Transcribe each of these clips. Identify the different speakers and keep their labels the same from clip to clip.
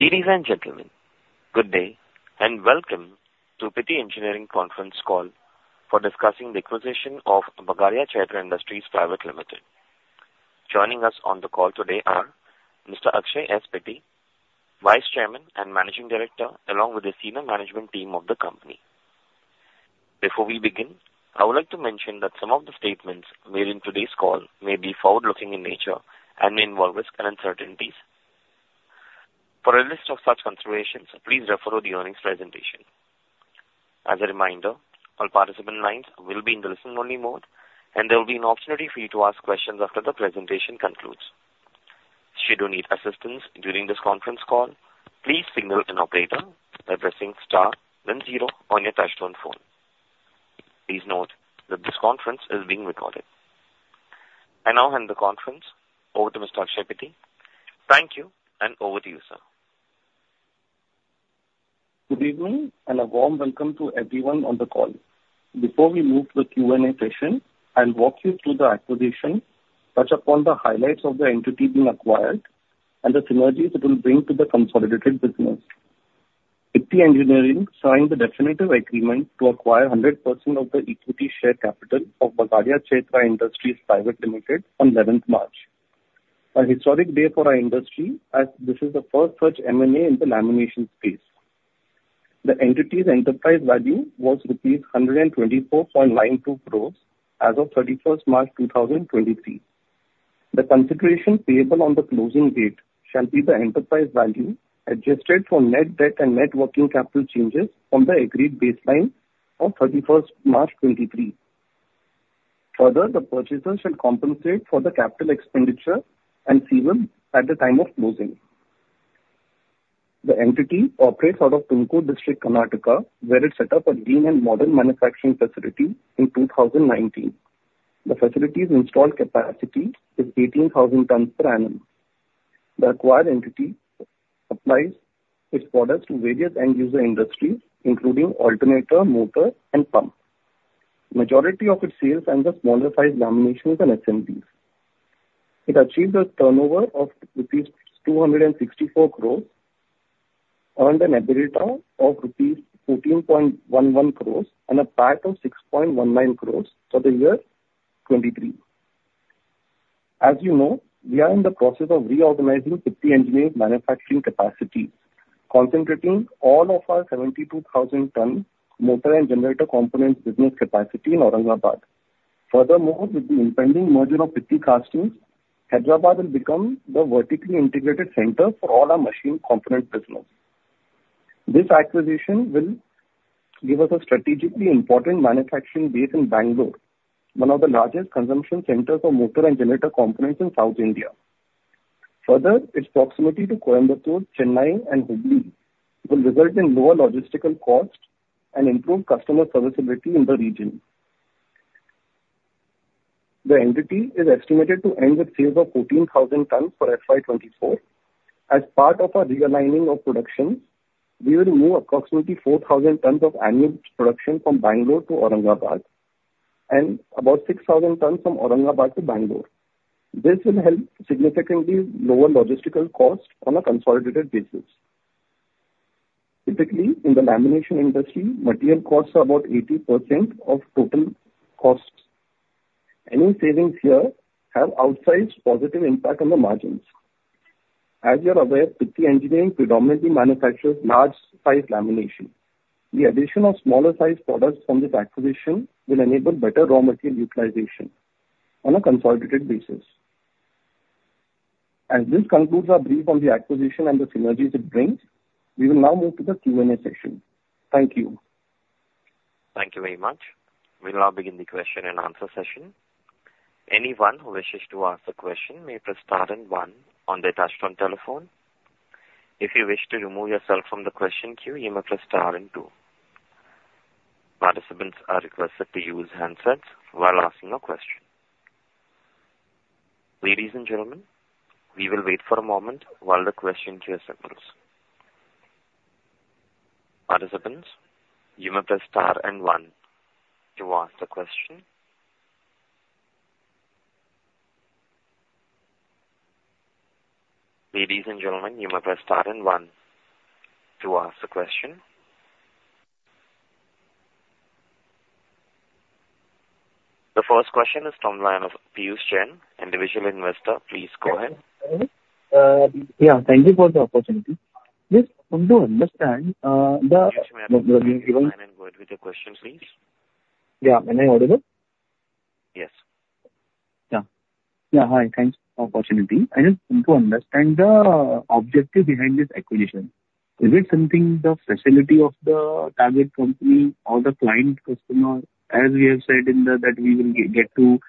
Speaker 1: Ladies and gentlemen, good day, and welcome to Pitti Engineering Conference Call for discussing the acquisition of Bagadia Chaitra Industries Private Limited. Joining us on the call today are Mr. Akshay S. Pitti, Vice Chairman and Managing Director, along with the senior management team of the company. Before we begin, I would like to mention that some of the statements made in today's call may be forward-looking in nature and may involve risk and uncertainties. For a list of such considerations, please refer to the earnings presentation. As a reminder, all participant lines will be in the listen-only mode, and there will be an opportunity for you to ask questions after the presentation concludes. Should you need assistance during this conference call, please signal an operator by pressing star then zero on your touchtone phone. Please note that this conference is being recorded. I now hand the conference over to Mr. Akshay Pitti. Thank you, and over to you, sir.
Speaker 2: Good evening, and a warm welcome to everyone on the call. Before we move to the Q&A session, I'll walk you through the acquisition, touch upon the highlights of the entity being acquired and the synergies it will bring to the consolidated business. Pitti Engineering signed the definitive agreement to acquire 100% of the equity share capital of Bagadia Chaitra Industries Private Limited on 11th March, a historic day for our industry, as this is the first such M&A in the lamination space. The entity's enterprise value was rupees 124.92 crores as of 31st March 2023. The consideration payable on the closing date shall be the enterprise value, adjusted for net debt and net working capital changes from the agreed baseline of 31st March 2023. Further, the purchaser shall compensate for the capital expenditure incurred at the time of closing. The entity operates out of Tumakuru District, Karnataka, where it set up a greenfield and modern manufacturing facility in 2019. The facility's installed capacity is 18,000 tons per annum. The acquired entity supplies its products to various end-user industries, including alternator, motor and pump. Majority of its sales are the smaller size laminations and assemblies. It achieved a turnover of rupees 264 crores, earned an EBITDA of rupees 14.11 crores and a PAT of 6.19 crores for the year 2023. As you know, we are in the process of reorganizing Pitti Engineering's manufacturing capacity, concentrating all of our 72,000-ton motor and generator components business capacity in Aurangabad. Furthermore, with the impending merger of Pitti Castings, Hyderabad will become the vertically integrated center for all our machine component business. This acquisition will give us a strategically important manufacturing base in Bangalore, one of the largest consumption centers for motor and generator components in South India. Further, its proximity to Coimbatore, Chennai, and Hubli will result in lower logistical cost and improve customer serviceability in the region. The entity is estimated to end with sales of 14,000 tons for FY 2024. As part of our realigning of production, we will move approximately 4,000 tons of annual production from Bangalore to Aurangabad and about 6,000 tons from Aurangabad to Bangalore. This will help significantly lower logistical costs on a consolidated basis. Typically, in the lamination industry, material costs are about 80% of total costs. Any savings here have outsized positive impact on the margins. As you're aware, Pitti Engineering predominantly manufactures large-sized lamination. The addition of smaller sized products from this acquisition will enable better raw material utilization on a consolidated basis. This concludes our brief on the acquisition and the synergies it brings. We will now move to the Q&A session. Thank you.
Speaker 1: Thank you very much. We'll now begin the question and answer session. Anyone who wishes to ask a question may press star and one on their touchtone telephone. If you wish to remove yourself from the question queue, you may press star and two. Participants are requested to use handsets while asking a question. Ladies and gentlemen, we will wait for a moment while the question queue settles. Participants, you may press star and one to ask the question. Ladies and gentlemen, you may press star and one to ask a question. The first question is from the line of Piyush Jain, individual investor. Please go ahead.
Speaker 3: Yeah, thank you for the opportunity. Just want to understand,
Speaker 1: Piyush, may I invite you to go ahead with your question, please?
Speaker 3: Yeah. Am I audible?
Speaker 1: Yes.
Speaker 3: Yeah. Yeah, hi. Thanks for the opportunity. I just want to understand the objective behind this acquisition. Is it something the facility of the target company or the client customer, as we have said in the, that we will get to,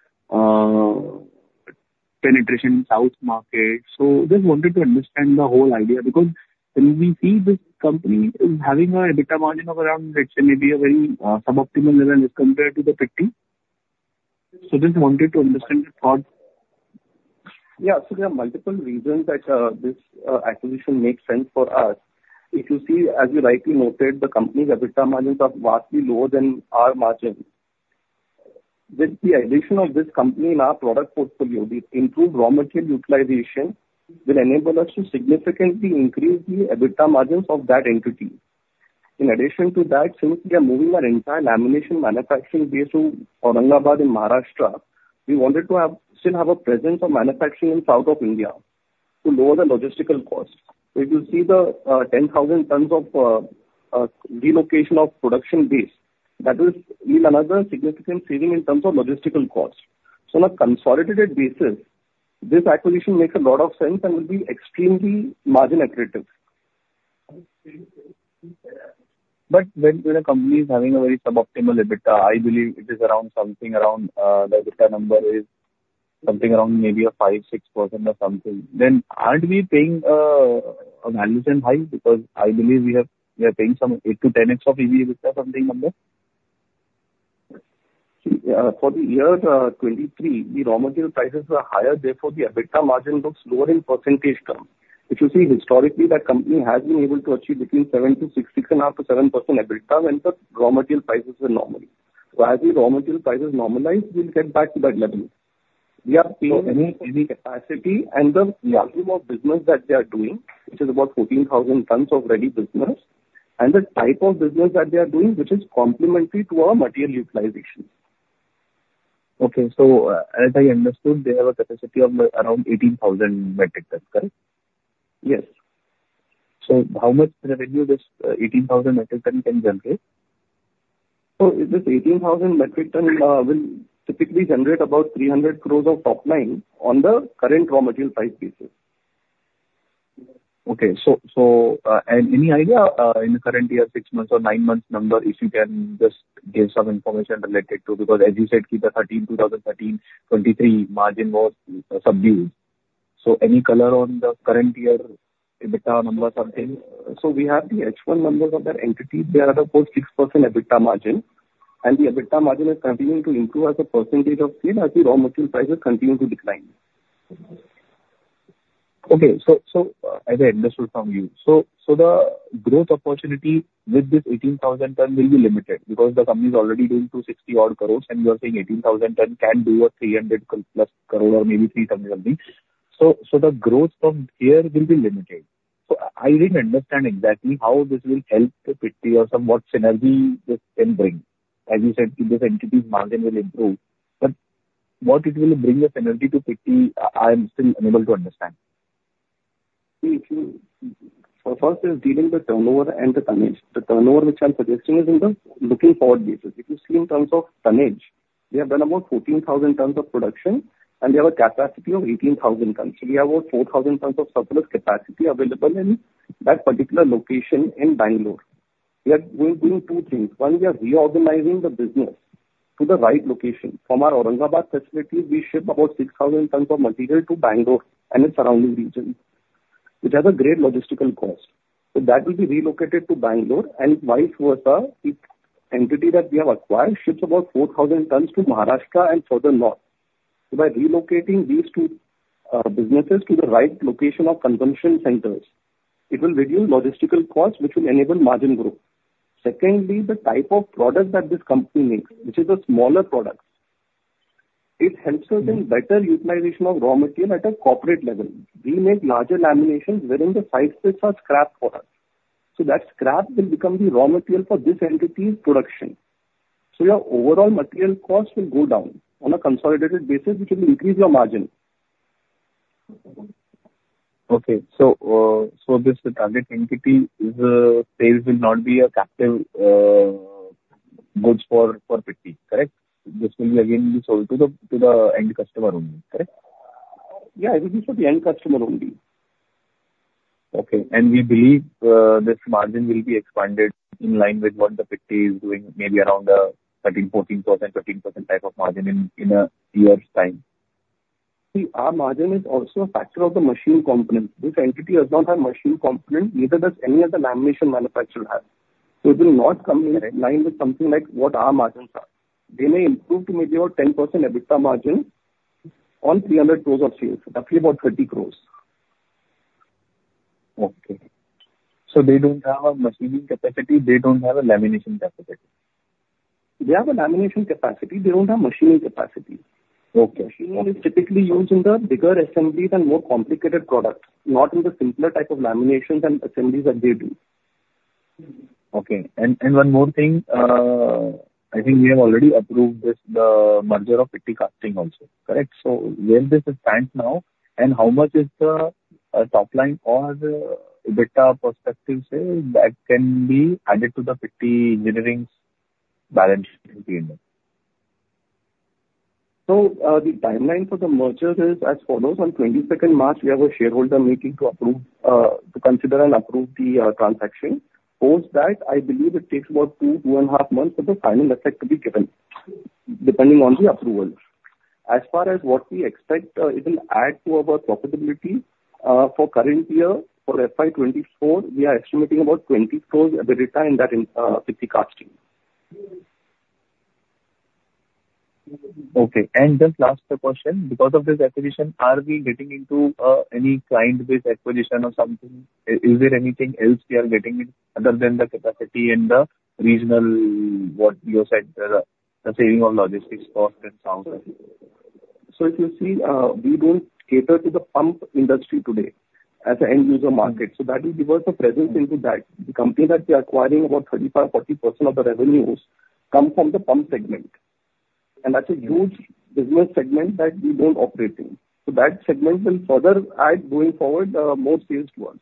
Speaker 3: penetration south market? So just wanted to understand the whole idea, because when we see this company is having an EBITDA margin of around, let's say, maybe a very, suboptimal level as compared to the Pitti. So just wanted to understand the thought.
Speaker 2: Yeah. So there are multiple reasons that, this, acquisition makes sense for us. If you see, as you rightly noted, the company's EBITDA margins are vastly lower than our margins. With the addition of this company in our product portfolio, the improved raw material utilization will enable us to significantly increase the EBITDA margins of that entity. In addition to that, since we are moving our entire lamination manufacturing base to Aurangabad in Maharashtra, we wanted to have, still have a presence of manufacturing in South India to lower the logistical cost. So you will see the, 10,000 tons of, relocation of production base. That is in another significant saving in terms of logistical costs. So on a consolidated basis, this acquisition makes a lot of sense and will be extremely margin accretive.
Speaker 3: When a company is having a very suboptimal EBITDA, I believe it is around, something around, the EBITDA number is something around maybe 5-6% or something, then aren't we paying a valuation high? Because I believe we are paying some 8-10x EBITDA something number.
Speaker 2: See, for the year 2023, the raw material prices are higher, therefore, the EBITDA margin looks lower in percentage term. If you see historically, that company has been able to achieve between 7 to 6, 6.5 to 7% EBITDA when the raw material prices were normal. So as the raw material prices normalize, we'll get back to that level. We are paying capacity and the volume of business that they are doing, which is about 14,000 tons of ready business, and the type of business that they are doing, which is complementary to our material utilization.
Speaker 3: Okay. As I understood, they have a capacity of around 18,000 metric ton, correct?
Speaker 2: Yes.
Speaker 3: How much revenue can this 18,000 metric tons generate?
Speaker 2: So this 18,000 metric tons will typically generate about 300 crore of top line on the current raw material price basis.
Speaker 3: Okay. So, and any idea, in the current year, 6 months or 9 months number, if you can just give some information related to... Because as you said, the 13, 2013, 2023 margin was subdued. So any color on the current year EBITDA number or something?
Speaker 2: So we have the H1 numbers of that entity. They are at about 6% EBITDA margin, and the EBITDA margin is continuing to improve as a percentage of sales as the raw material prices continue to decline.
Speaker 3: Okay. So as I understood from you, the growth opportunity with this 18,000-ton will be limited because the company is already doing 260-odd crores, and you are saying 18,000 tons can do 300+ crores or maybe three something, something. So the growth from here will be limited. So I didn't understand exactly how this will help the Pitti or somewhat synergy this can bring. As you said, this entity's margin will improve, but what it will bring a synergy to Pitti, I am still unable to understand.
Speaker 2: See, if you... So first is dealing the turnover and the tonnage. The turnover which I'm suggesting is in the looking forward basis. If you see in terms of tonnage, we have done about 14,000 tons of production, and we have a capacity of 18,000 tons. So we have about 4,000 tons of surplus capacity available in that particular location in Bangalore. We are doing two things. One, we are reorganizing the business to the right location. From our Aurangabad facility, we ship about 6,000 tons of material to Bangalore and its surrounding regions, which has a great logistical cost. So that will be relocated to Bangalore. And vice versa, each entity that we have acquired ships about 4,000 tons to Maharashtra and further north. So by relocating these two businesses to the right location of consumption centers, it will reduce logistical costs, which will enable margin growth. Secondly, the type of products that this company makes, which is a smaller product, it helps us in better utilization of raw material at a corporate level. We make larger laminations wherein the five splits are scrap for us, so that scrap will become the raw material for this entity's production. So your overall material cost will go down. On a consolidated basis, which will increase your margin.
Speaker 3: Okay. So this target entity is, sales will not be a captive goods for Pitti, correct? This will again be sold to the end customer only, correct?
Speaker 2: Yeah, it will be for the end customer only.
Speaker 3: Okay. We believe this margin will be expanded in line with what the Pitti is doing, maybe around 13, 14%, 15% type of margin in a year's time.
Speaker 2: See, our margin is also a factor of the machine component. This entity does not have machine component, neither does any other lamination manufacturer have. So it will not come in line with something like what our margins are. They may improve to maybe about 10% EBITDA margin on 300 crores of sales, roughly about 30 crores.
Speaker 3: Okay. So they don't have a machining capacity. They don't have a lamination capacity.
Speaker 2: They have a lamination capacity, they don't have machining capacity.
Speaker 3: Okay.
Speaker 2: Machining is typically used in the bigger assemblies and more complicated products, not in the simpler type of laminations and assemblies that they do.
Speaker 3: Okay. And, and one more thing, I think we have already approved this, the merger of Pitti Castings also, correct? So where this stands now, and how much is the, top line or the EBITDA perspective say that can be added to the Pitti Engineering's balance sheet in the end?
Speaker 2: The timeline for the merger is as follows: On 22nd March, we have a shareholder meeting to approve, to consider and approve the transaction. Post that, I believe it takes about 2, 2.5 months for the final effect to be given, depending on the approvals. As far as what we expect, it will add to our profitability, for current year, for FY 2024, we are estimating about 20 crore EBITDA in that in Pitti Castings.
Speaker 3: Okay. And just last question, because of this acquisition, are we getting into any client base acquisition or something? Is there anything else we are getting in other than the capacity and the regional, what you said, the saving on logistics cost and so on?...
Speaker 2: So if you see, we don't cater to the pump industry today as an end user market, so that will give us a presence into that. The company that we are acquiring, about 35-40% of the revenues come from the pump segment, and that's a huge business segment that we don't operate in. So that segment will further add going forward, more sales to us.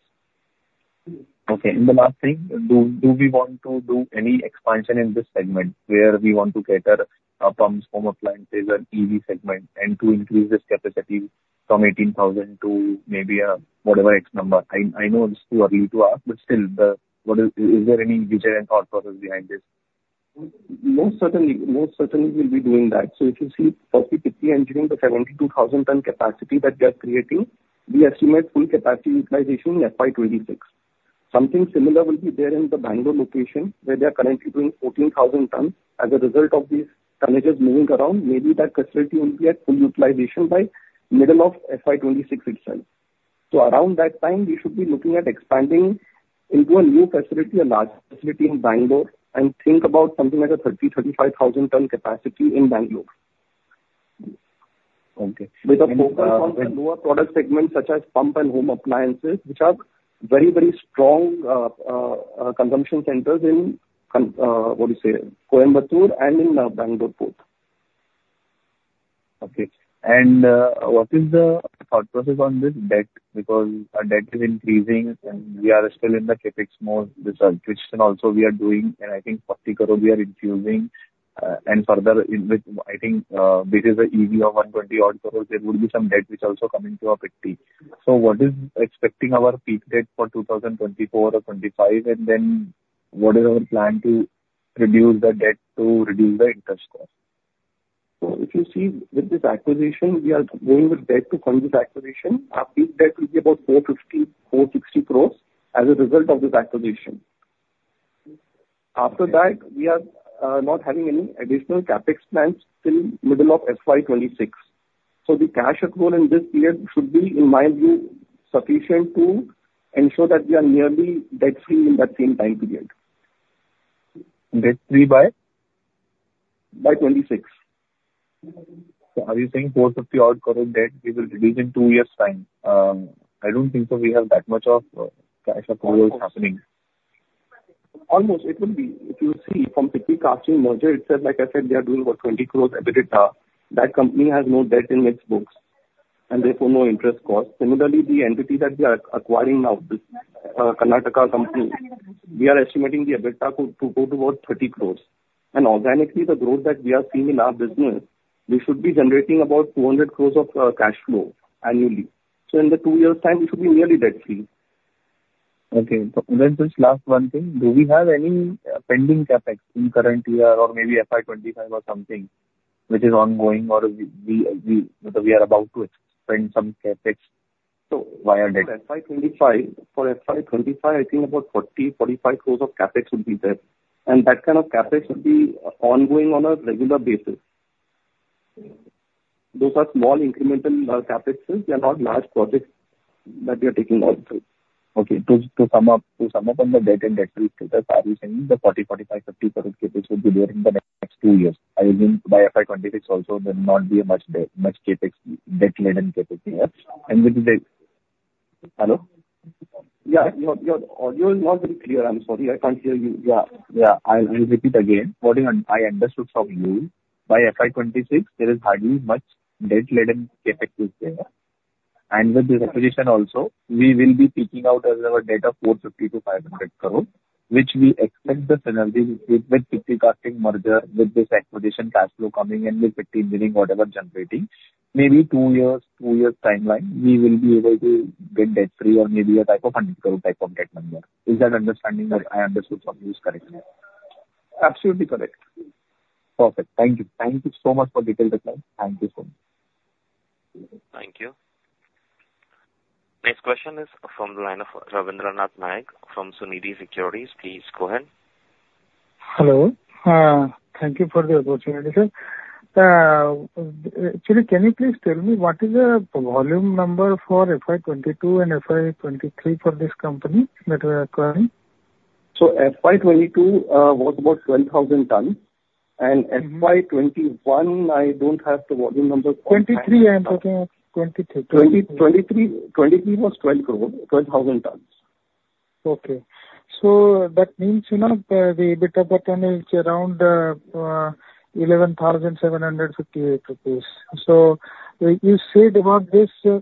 Speaker 3: Okay. And the last thing, do we want to do any expansion in this segment where we want to cater to pumps, home appliances and EV segment, and to increase this capacity from 18,000 to maybe whatever X number? I know it's too early to ask, but still, is there any vision and thought process behind this?
Speaker 2: Most certainly, most certainly we'll be doing that. So if you see the 72,000-ton capacity that we are creating, we estimate full capacity utilization in FY 2026. Something similar will be there in the Bangalore location, where we are currently doing 14,000 tons. As a result of these tonnages moving around, maybe that capacity will be at full utilization by middle of FY 2026 itself. So around that time, we should be looking at expanding into a new facility, a large facility in Bangalore, and think about something like a 30,000-35,000-ton capacity in Bangalore.
Speaker 3: Okay.
Speaker 2: With a focus on the lower product segment, such as pump and home appliances, which are very, very strong consumption centers in Coimbatore and in Bangalore port.
Speaker 3: Okay. And, what is the thought process on this debt? Because our debt is increasing, and we are still in the CapEx mode, which then also we are doing, and I think we are infusing, and further in with, I think, because of EV of 120 odd crores, there would be some debt which also come into our 50. So what is expecting our peak debt for 2024 or 2025, and then what is our plan to reduce the debt to reduce the interest cost?
Speaker 2: So if you see with this acquisition, we are going with debt to fund this acquisition. Our peak debt will be about 450 crores-460 crores as a result of this acquisition. After that, we are not having any additional CapEx plans till middle of FY 2026. So the cash flow in this period should be, in my view, sufficient to ensure that we are nearly debt free in that same time period.
Speaker 3: Debt free by?
Speaker 2: By twenty-six.
Speaker 3: Are you saying INR 450-odd crore debt we will reduce in two years' time? I don't think that we have that much of cash flows happening.
Speaker 2: Almost, it will be. If you see, from Pitti Castings merger itself, like I said, we are doing about 20 crore EBITDA. That company has no debt in its books, and therefore no interest cost. Similarly, the entity that we are acquiring now, this Karnataka company, we are estimating the EBITDA to go towards 30 crore. And organically, the growth that we are seeing in our business, we should be generating about 200 crore of cash flow annually. So in the two years' time, we should be nearly debt free.
Speaker 3: Okay. So then just last one thing, do we have any pending CapEx in current year or maybe FY 25 or something, which is ongoing or that we are about to spend some CapEx, so via debt?
Speaker 2: FY 25, for FY 25, I think about 40 crore-45 crore of CapEx would be there, and that kind of CapEx would be ongoing on a regular basis. Those are small incremental CapExes. They are not large projects that we are taking out.
Speaker 3: Okay. To sum up on the debt and debt free status, are you saying the 40 crore, 45 crore, 50 crore CapEx will be there in the next two years? I mean, by FY 2026 also, there will not be much debt, much CapEx, debt-laden CapEx here, and with the debt... Hello?
Speaker 2: Yeah, your, your audio is not very clear. I'm sorry, I can't hear you. Yeah.
Speaker 3: Yeah, I'll, I'll repeat again. What I, I understood from you, by FY 2026, there is hardly much debt-laden CapEx is there. And with the acquisition also, we will be seeking out as our debt of 450 crore-500 crore, which we expect the synergies with, with Pitti Castings merger, with this acquisition cash flow coming in, with 50 million whatever generating, maybe two years, two years timeline, we will be able to get debt free or maybe a type of INR 100 crore type of debt number. Is that understanding that I understood from you is correct?
Speaker 2: Absolutely correct.
Speaker 3: Perfect. Thank you. Thank you so much for detailing that. Thank you so much.
Speaker 1: Thank you. Next question is from the line of Ravindranath Nayak from Sunidhi Securities. Please go ahead.
Speaker 4: Hello. Thank you for the opportunity, sir. Actually, can you please tell me what is the volume number for FY 22 and FY 23 for this company that we are acquiring?
Speaker 2: FY 2022 was about 12,000 tons, and FY 2021, I don't have the volume numbers.
Speaker 4: 23, I'm talking of 23.
Speaker 2: 2023 was 12 crore, 12,000 tons.
Speaker 4: Okay. So that means, you know, the EBITDA ton is around 11,758 rupees. So you said about this year,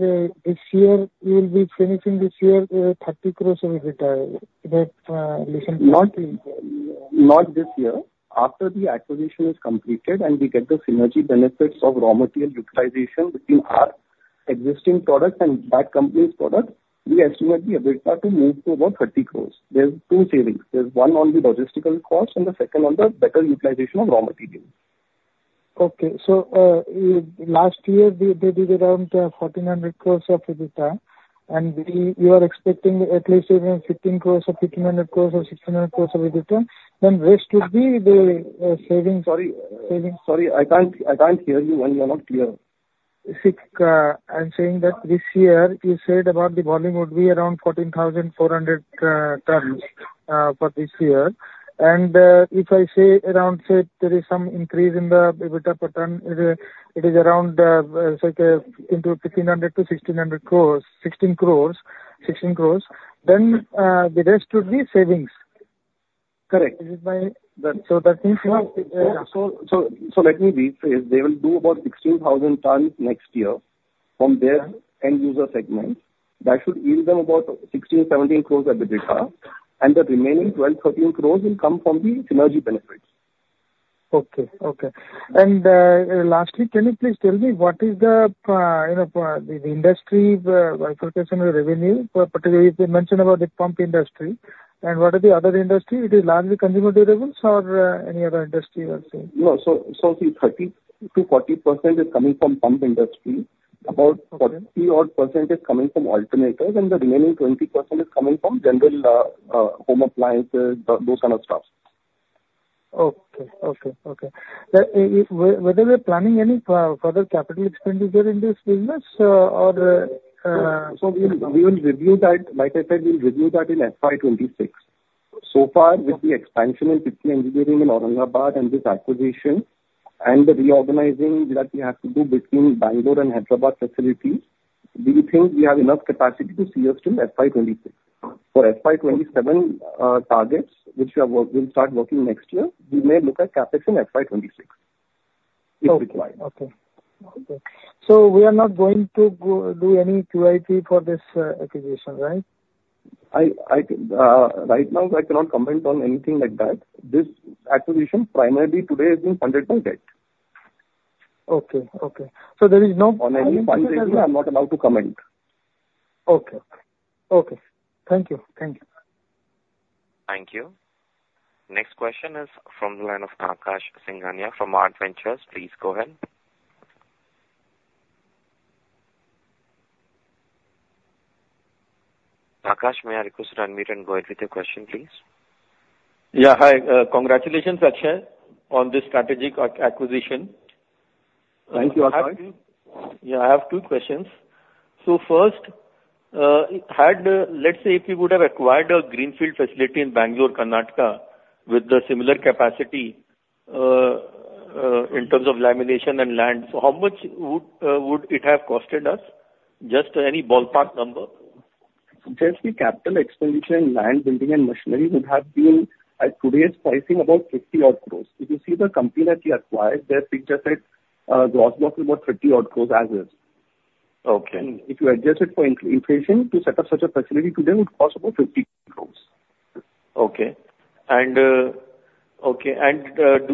Speaker 4: you will be finishing this year 30 crore of EBITDA. That-
Speaker 2: Not, not this year. After the acquisition is completed and we get the synergy benefits of raw material utilization between our existing product and that company's product, we estimate the EBITDA to move to about 30 crore. There's two savings: There's one on the logistical cost, and the second on the better utilization of raw material.
Speaker 4: Okay. So, last year, we, they did around 1,400 crores of EBITDA, and we, we are expecting at least even 15 crores or 1,500 crores or 1,600 crores of EBITDA, then rest would be the savings-
Speaker 2: Sorry.
Speaker 4: Savings-
Speaker 2: Sorry, I can't, I can't hear you well. You are not clear....
Speaker 4: I'm saying that this year, you said about the volume would be around 14,400 tons for this year. If I say around, say, there is some increase in the EBITDA per ton, it, it is around, say, into 1,500 crore-1,600 crore, sixteen crores, sixteen crores, then, the rest would be savings.
Speaker 2: Correct.
Speaker 4: Is it my-
Speaker 2: So that means, let me rephrase. They will do about 16,000 tons next year from their end user segment. That should give them about 16-17 crores EBITDA, and the remaining 12-13 crores will come from the synergy benefits.
Speaker 4: Okay, okay. And lastly, can you please tell me what is the, you know, the industry like per segment revenue, particularly if you mention about the pump industry, and what are the other industry? It is largely consumer durables or any other industry you are seeing?
Speaker 2: No. So, the 30%-40% is coming from the pump industry.
Speaker 4: Okay.
Speaker 2: About 40-odd% is coming from alternators, and the remaining 20% is coming from general home appliances, those kind of stuffs.
Speaker 4: Okay, okay, okay. Whether we're planning any further capital expenditure in this business,
Speaker 2: So we will review that. Like I said, we'll review that in FY 2026. So far, with the expansion in Pitti Engineering in Aurangabad and this acquisition, and the reorganizing that we have to do between Bangalore and Hyderabad facilities, we think we have enough capacity to see us through FY 2026. For FY 2027 targets, which we are, we'll start working next year, we may look at CapEx in FY 2026, if required.
Speaker 4: Okay, okay. So we are not going to go, do any QIP for this, acquisition, right?
Speaker 2: Right now, I cannot comment on anything like that. This acquisition primarily today has been funded by debt.
Speaker 4: Okay, okay. So there is no-
Speaker 2: On any fundraising, I'm not allowed to comment.
Speaker 4: Okay. Okay. Thank you. Thank you.
Speaker 1: Thank you. Next question is from the line of Akash Singania from Arch Venture Partners. Please go ahead. Akash, may I request you to unmute and go ahead with your question, please?
Speaker 5: Yeah, hi. Congratulations, Akshay, on this strategic acquisition.
Speaker 2: Thank you, Akash.
Speaker 6: Yeah, I have two questions. So first, let's say, if you would have acquired a greenfield facility in Bangalore, Karnataka, with the similar capacity, in terms of lamination and land, so how much would it have costed us? Just any ballpark number.
Speaker 2: Just the capital expenditure in land, building, and machinery would have been, at today's pricing, about 50 odd crores. If you see the company that we acquired, their figures are, gross about 50 odd crores as is.
Speaker 6: Okay.
Speaker 2: If you adjust it for inflation, to set up such a facility today would cost about 50 crore.
Speaker 6: Okay. Do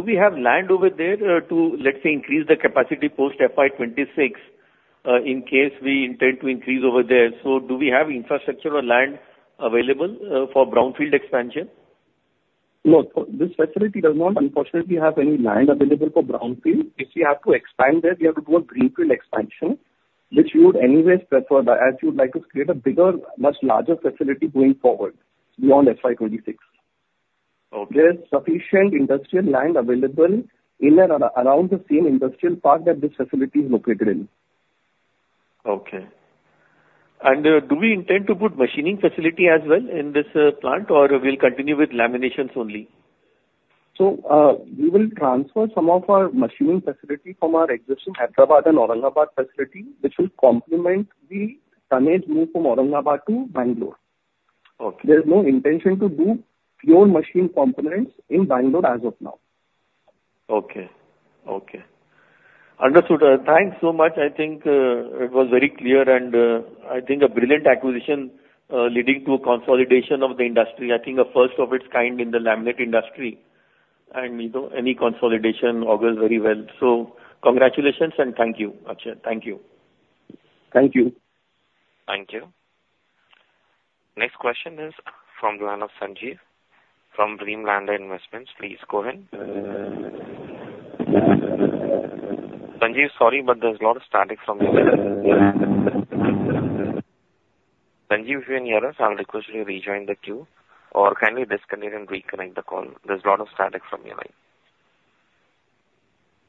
Speaker 6: we have land over there to, let's say, increase the capacity post FY 26, in case we intend to increase over there? So do we have infrastructure or land available for brownfield expansion?
Speaker 2: No. So this facility does not unfortunately have any land available for brownfield. If we have to expand there, we have to do a greenfield expansion, which we would anyways prefer, as you'd like to create a bigger, much larger facility going forward, beyond FY26.
Speaker 6: Okay.
Speaker 2: There's sufficient industrial land available in and around the same industrial park that this facility is located in.
Speaker 6: Okay. And, do we intend to put machining facility as well in this plant, or we'll continue with laminations only?
Speaker 2: We will transfer some of our machining facility from our existing Hyderabad and Aurangabad facility, which will complement the tonnage move from Aurangabad to Bangalore.
Speaker 6: Okay.
Speaker 2: There's no intention to do pure machine components in Bangalore as of now.
Speaker 6: Okay, okay. Understood. Thanks so much. I think it was very clear, and I think a brilliant acquisition leading to a consolidation of the industry. I think a first of its kind in the laminate industry, and, you know, any consolidation augurs very well. So congratulations, and thank you, Akshay. Thank you.
Speaker 2: Thank you.
Speaker 1: Thank you. Next question is from the line of Sanjeev from DreamLadder Investment Advisors. Please go ahead. Sanjeev, sorry, but there's a lot of static from your end. Sanjeev, if you can hear us, I'll request you to rejoin the queue, or kindly disconnect and reconnect the call. There's a lot of static from your end.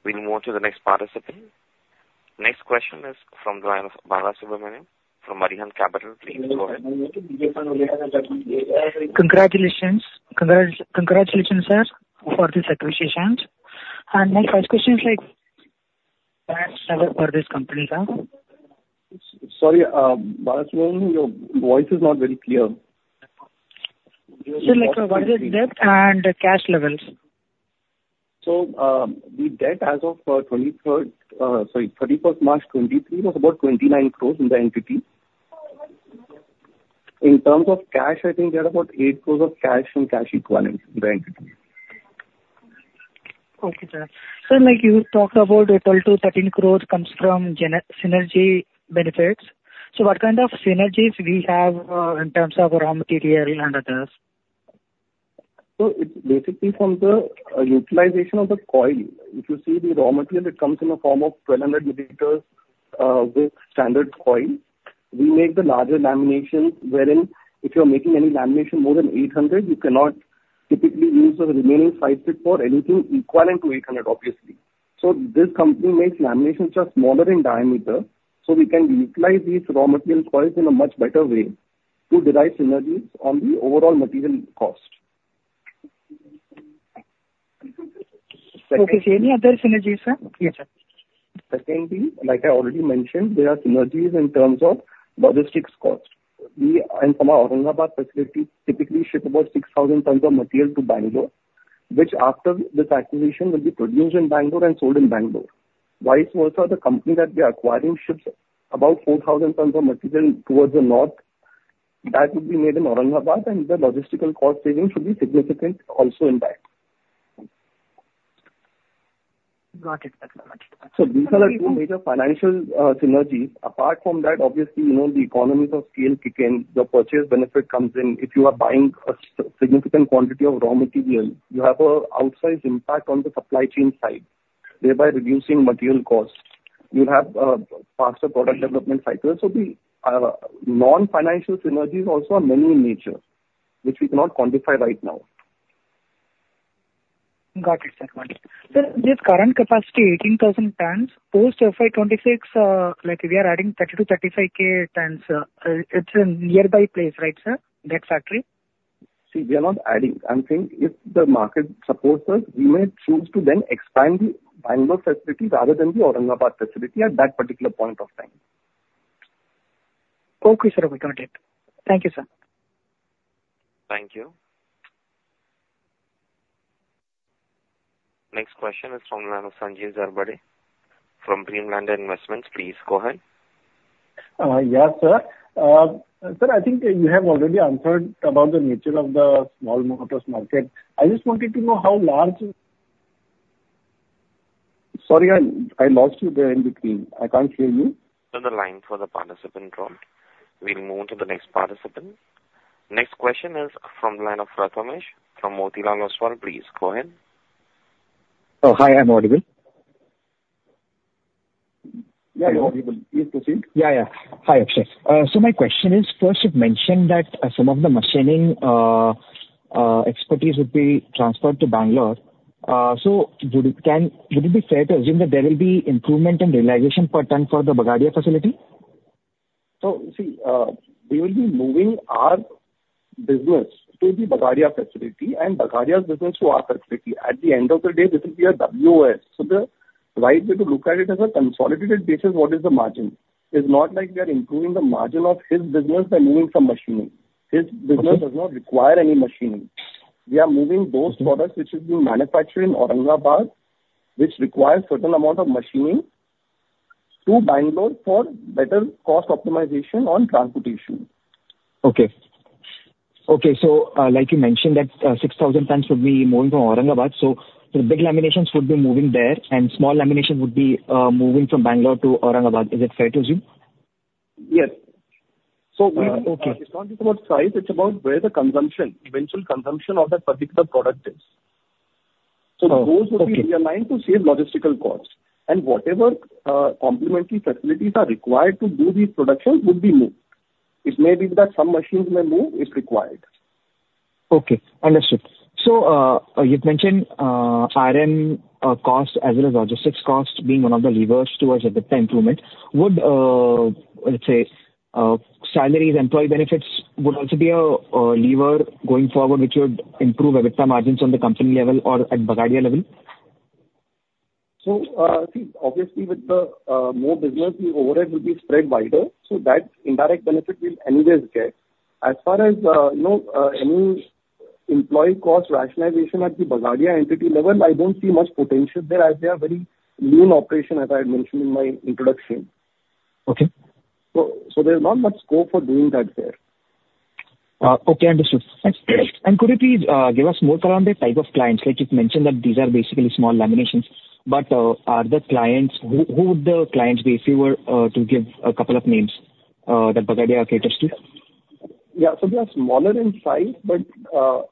Speaker 1: We'll move to the next participant. Next question is from the line of Bala Subramaniam from Arihant Capital Markets. Please go ahead.
Speaker 7: Congratulations. Congratulations, sir, for this acquisitions. My first question is like, current status for this company, sir?
Speaker 2: Sorry, Bala Subramaniam, your voice is not very clear.
Speaker 7: Like, what is debt and cash levels?
Speaker 2: So, the debt as of 31st March 2023 was about 29 crore in the entity. In terms of cash, I think we had about 8 crore of cash and cash equivalents in the entity.
Speaker 7: Okay, sir. So like you talked about 12-13 crore comes from synergy benefits. So what kind of synergies we have in terms of raw material and others?
Speaker 2: So it's basically from the utilization of the coil. If you see the raw material, it comes in the form of 1200 millimeters with standard coil. We make the larger lamination, wherein if you're making any lamination more than 800, you cannot typically use the remaining size fit for anything equivalent to 800, obviously. So this company makes laminations just smaller in diameter, so we can utilize these raw material coils in a much better way to derive synergies on the overall material cost.
Speaker 7: Okay. Any other synergies, sir? Yes, sir.
Speaker 2: Second thing, like I already mentioned, there are synergies in terms of logistics cost. We, from our Aurangabad facility, typically ship about 6,000 tons of material to Bangalore, which after this acquisition, will be produced in Bangalore and sold in Bangalore. Vice versa, the company that we are acquiring ships about 4,000 tons of material towards the north, that would be made in Aurangabad, and the logistical cost saving should be significant also in that.
Speaker 7: Got it. Got it.
Speaker 2: So these are the two major financial synergies. Apart from that, obviously, you know, the economies of scale kick in, the purchase benefit comes in. If you are buying a significant quantity of raw material, you have a outsized impact on the supply chain side, thereby reducing material costs. You have faster product development cycles, so the non-financial synergies also are many in nature, which we cannot quantify right now.
Speaker 7: Got it, sir. Got it. Sir, this current capacity, 18,000 tons, post FY 2026, like we are adding 30-35k tons, it's a nearby place, right, sir, that factory?
Speaker 2: See, we are not adding. I'm saying if the market supports us, we may choose to then expand the Bangalore facility rather than the Aurangabad facility at that particular point of time.
Speaker 7: Okay, sir. We got it. Thank you, sir.
Speaker 1: Thank you. Next question is from the line of Sanjeev Zarbade from DreamLadder Investment Advisors. Please go ahead.
Speaker 8: Yes, sir. Sir, I think you have already answered about the nature of the small motors market. I just wanted to know how large... Sorry, I lost you there in between. I can't hear you.
Speaker 1: The line for the participant dropped. We'll move to the next participant. Next question is from the line of Prathamesh from Motilal Oswal. Please go ahead.
Speaker 5: Oh, hi, I'm audible?
Speaker 1: Yeah, you're audible. Please proceed.
Speaker 5: Yeah, yeah. Hi, Akshay. So my question is, first you've mentioned that some of the machining expertise would be transferred to Bangalore. So would it be fair to assume that there will be improvement and realization per ton for the Bagadia facility?
Speaker 2: So, see, we will be moving our business to the Bagadia facility and Bagadia's business to our facility. At the end of the day, this will be a WOS. So the right way to look at it as a consolidated basis, what is the margin? It's not like we are improving the margin of his business by moving some machining.
Speaker 5: Okay.
Speaker 2: His business does not require any machining. We are moving those products which is being manufactured in Aurangabad, which require certain amount of machining, to Bangalore for better cost optimization on transportation.
Speaker 5: Okay. Okay, so, like you mentioned, that 6,000 tons would be moving from Aurangabad, so the big laminations would be moving there, and small lamination would be moving from Bangalore to Aurangabad. Is it fair to assume?
Speaker 2: Yes. So we-
Speaker 5: Uh, okay.
Speaker 2: It's not just about size, it's about where the consumption, eventual consumption of that particular product is.
Speaker 5: Oh, okay.
Speaker 2: So those would be realigned to save logistical costs, and whatever, complementary facilities are required to do the production would be moved. It may be that some machines may move, if required.
Speaker 5: Okay, understood. So, you've mentioned RM costs as well as logistics costs being one of the levers towards EBITDA improvement. Would, let's say, salaries, employee benefits would also be a lever going forward which would improve EBITDA margins on the company level or at Bagadia level?
Speaker 2: So, see, obviously with the more business, the overhead will be spread wider, so that indirect benefit we'll anyways get. As far as, you know, any employee cost rationalization at the Bagadia entity level, I don't see much potential there, as they are very lean operation, as I had mentioned in my introduction.
Speaker 5: Okay.
Speaker 2: So, there's not much scope for doing that there.
Speaker 5: Okay, understood. And could you please give us more around the type of clients, like you've mentioned, that these are basically small laminations, but, are the clients... Who would the clients be, if you were to give a couple of names that Bagadia caters to?
Speaker 2: Yeah. So they are smaller in size, but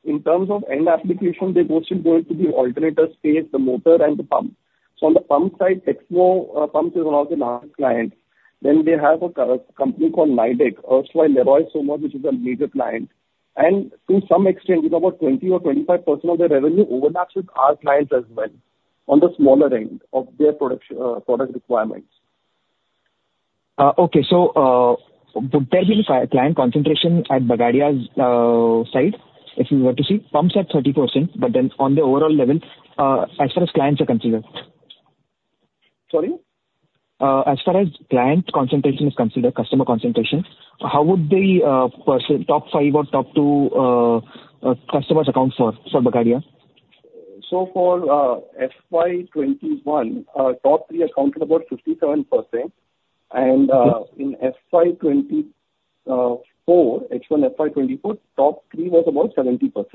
Speaker 2: in terms of end application, they mostly going to the alternator space, the motor and the pump. So on the pump side, Texmo Pumps is one of the large clients. Then they have a company called Nidec Leroy-Somer, which is a major client, and to some extent, with about 20 or 25% of their revenue overlaps with our clients as well, on the smaller end of their production, product requirements.
Speaker 5: Okay. So, would there be a client concentration at Bagadia's side, if you were to see? Pumps at 30%, but then on the overall level, as far as clients are considered.
Speaker 2: Sorry?
Speaker 5: As far as client concentration is considered, customer concentration, how would the top five or top two customers account for Bagadia?
Speaker 2: So for FY 21, top three accounted about 57%.
Speaker 5: Okay.
Speaker 2: In FY24, H1 FY24, top three was about 70%.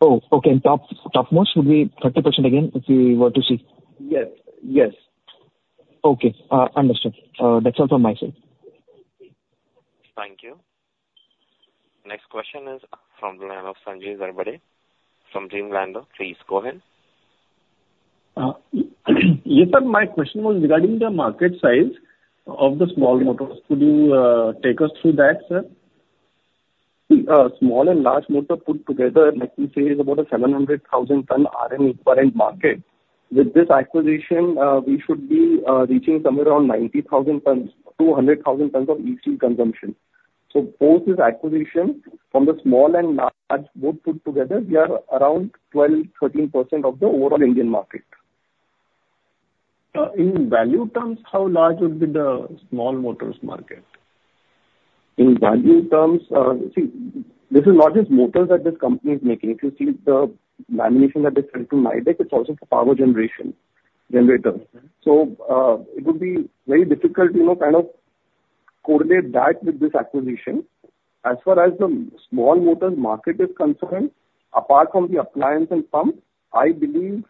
Speaker 5: Oh, okay. And top, top most would be 30% again, if we were to see?
Speaker 2: Yes. Yes.
Speaker 5: Okay, understood. That's all from my side.
Speaker 1: Thank you. Next question is from the line of Sanjeev Zarbade from DreamLadder. Please go ahead....
Speaker 8: Yes, sir, my question was regarding the market size of the small motors. Could you take us through that, sir?
Speaker 2: Small and large motor put together, let me say, is about a 700,000-ton RME per annum market. With this acquisition, we should be, reaching somewhere around 90,000-100,000 tons of e-steel consumption. So both these acquisitions from the small and large, both put together, we are around 12%-13% of the overall Indian market.
Speaker 8: In value terms, how large would be the small motors market?
Speaker 2: In value terms, see, this is not just motors that this company is making. If you see the lamination that they sell to Midea, it's also for power generation generators.
Speaker 8: Mm-hmm.
Speaker 2: So, it would be very difficult, you know, kind of correlate that with this acquisition. As far as the small motors market is concerned, apart from the appliance and pump, I believe,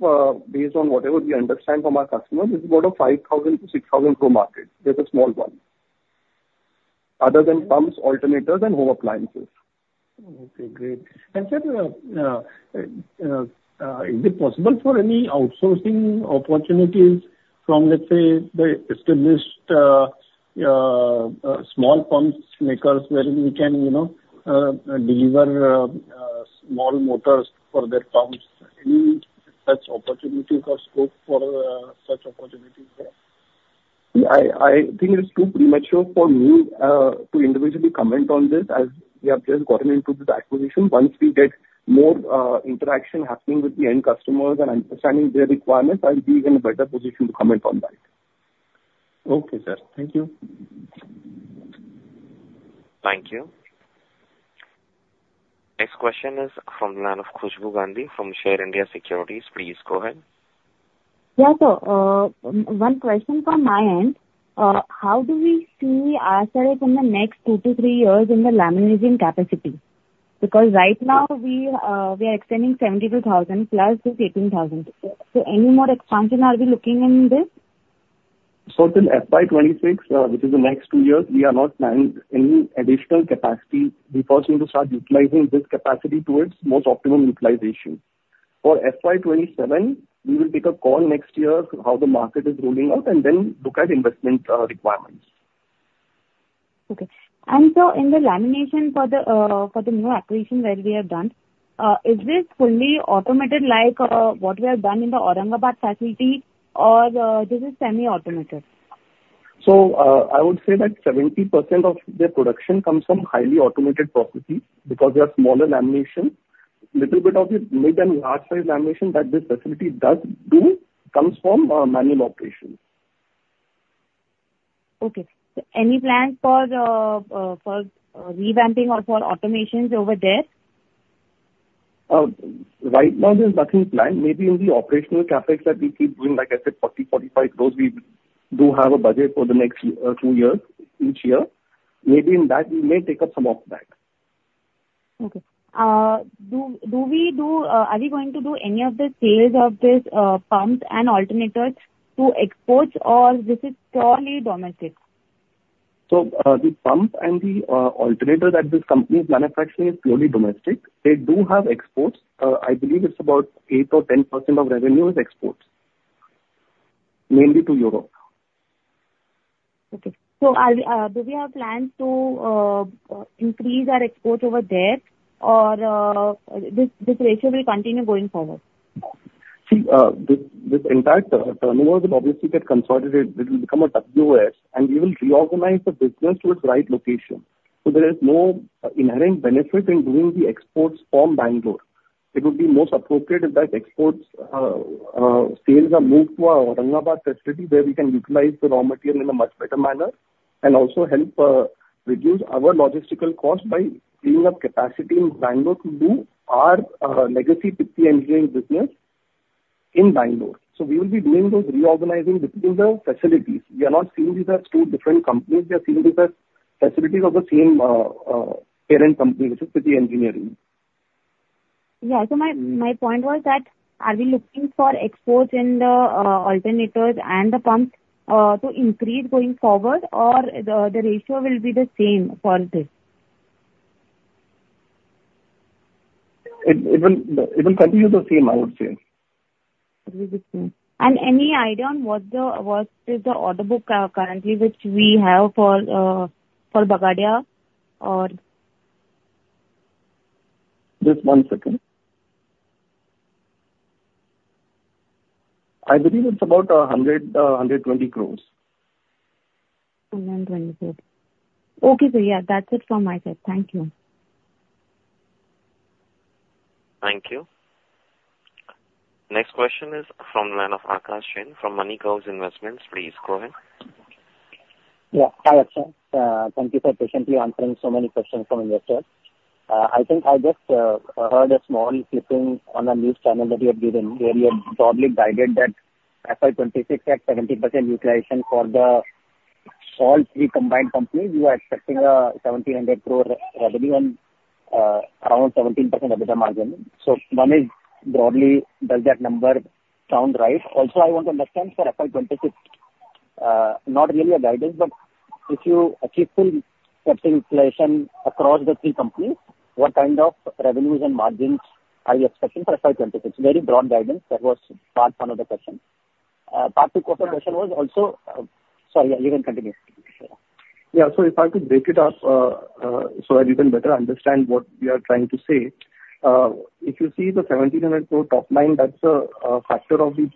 Speaker 2: based on whatever we understand from our customers, it's about an 5,000 crore-6,000 crore market. That's a small one. Other than pumps, alternators, and home appliances.
Speaker 8: Okay, great. And, sir, is it possible for any outsourcing opportunities from, let's say, the established small pumps makers where we can, you know, deliver small motors for their pumps? Any such opportunity for scope for such opportunities there?
Speaker 2: I think it's too premature for me to individually comment on this, as we have just gotten into this acquisition. Once we get more interaction happening with the end customers and understanding their requirements, I'll be in a better position to comment on that.
Speaker 8: Okay, sir. Thank you.
Speaker 1: Thank you. Next question is from the line of Khushbu Gandhi from Share India Securities. Please go ahead.
Speaker 9: Yeah, so, one question from my end. How do we see ourselves in the next 2 to 3 years in the laminating capacity? Because right now we, we are extending 72,000 plus this 18,000. So any more expansion are we looking in this?
Speaker 2: So till FY 2026, which is the next two years, we are not planning any additional capacity. We first need to start utilizing this capacity towards most optimum utilization. For FY 2027, we will take a call next year how the market is rolling out and then look at investment requirements.
Speaker 9: Okay. In the lamination for the new acquisition that we have done, is this fully automated, like, what we have done in the Aurangabad facility, or this is semi-automated?
Speaker 2: So, I would say that 70% of their production comes from highly automated processes because we are smaller lamination. Little bit of the mid and large size lamination that this facility does do comes from manual operations.
Speaker 9: Okay. So any plan for revamping or for automations over there?
Speaker 2: Right now there's nothing planned. Maybe in the operational CapEx that we keep doing, like I said, 40-45 growth, we do have a budget for the next 2 years, each year. Maybe in that we may take up some of that.
Speaker 9: Okay. Are we going to do any of the sales of this pumps and alternators to exports, or this is purely domestic?
Speaker 2: The pump and the alternator that this company is manufacturing is purely domestic. They do have exports. I believe it's about 8%-10% of revenue is exports, mainly to Europe.
Speaker 9: Okay. So are we, do we have plans to, increase our exports over there? Or, this, this ratio will continue going forward?
Speaker 2: See, this entire term turnover will obviously get consolidated. It will become a WOS, and we will reorganize the business to its right location. So there is no inherent benefit in doing the exports from Bangalore. It would be most appropriate if that exports sales are moved to our Aurangabad facility, where we can utilize the raw material in a much better manner, and also help reduce our logistical cost by freeing up capacity in Bangalore to do our legacy Pitti Engineering business in Bangalore. So we will be doing those reorganizing between the facilities. We are not seeing these as two different companies. We are seeing these as facilities of the same parent company, which is Pitti Engineering.
Speaker 9: Yeah. So my, my point was that are we looking for exports in the, alternators and the pumps, to increase going forward, or the, the ratio will be the same for this?
Speaker 2: It will continue the same, I would say.
Speaker 9: It will be the same. Any idea on what is the order book currently, which we have for Bagadia, or?
Speaker 2: Just one second. I believe it's about 120 crores.
Speaker 9: 120 crore. Okay, so yeah, that's it from my side. Thank you.
Speaker 1: Thank you. Next question is from the line of Akash Jain from MoneyCows Investments. Please go ahead.
Speaker 10: Yeah. Hi, Akshay. Thank you for patiently answering so many questions from investors. I think I just heard a small clipping on the news channel that you had given, where you had broadly guided that FY 2026 at 70% utilization for all three combined companies, you are expecting 1,700 crore revenue and around 17% EBITDA margin. So one is, broadly, does that number sound right? Also, I want to understand for FY 2026—not really a guidance, but if you achieve full capacity utilization across the three companies, what kind of revenues and margins are you expecting for FY 2026? Very broad guidance. That was part one of the question. Part two of the question was also, sorry, you can continue.
Speaker 2: Yeah. So if I could break it up, so that you can better understand what we are trying to say. If you see the 1,700 crore top line, that's a factor of the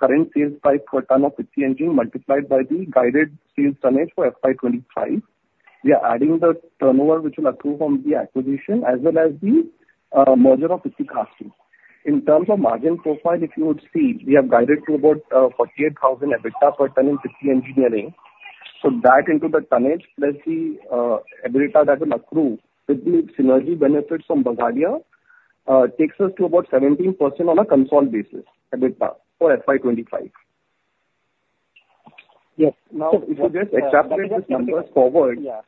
Speaker 2: current sales price per ton of Pitti Engineering, multiplied by the guided sales tonnage for FY 2025. We are adding the turnover, which will accrue from the acquisition, as well as the merger of Pitti Castings. In terms of margin profile, if you would see, we have guided to about 48,000 EBITDA per ton in Pitti Engineering. So that into the tonnage, plus the EBITDA that will accrue with the synergy benefits from Bagadia, takes us to about 17% on a consolidated basis, EBITDA for FY 2025.
Speaker 10: Yes.
Speaker 2: Now, if you just extrapolate these numbers forward-
Speaker 10: Yeah.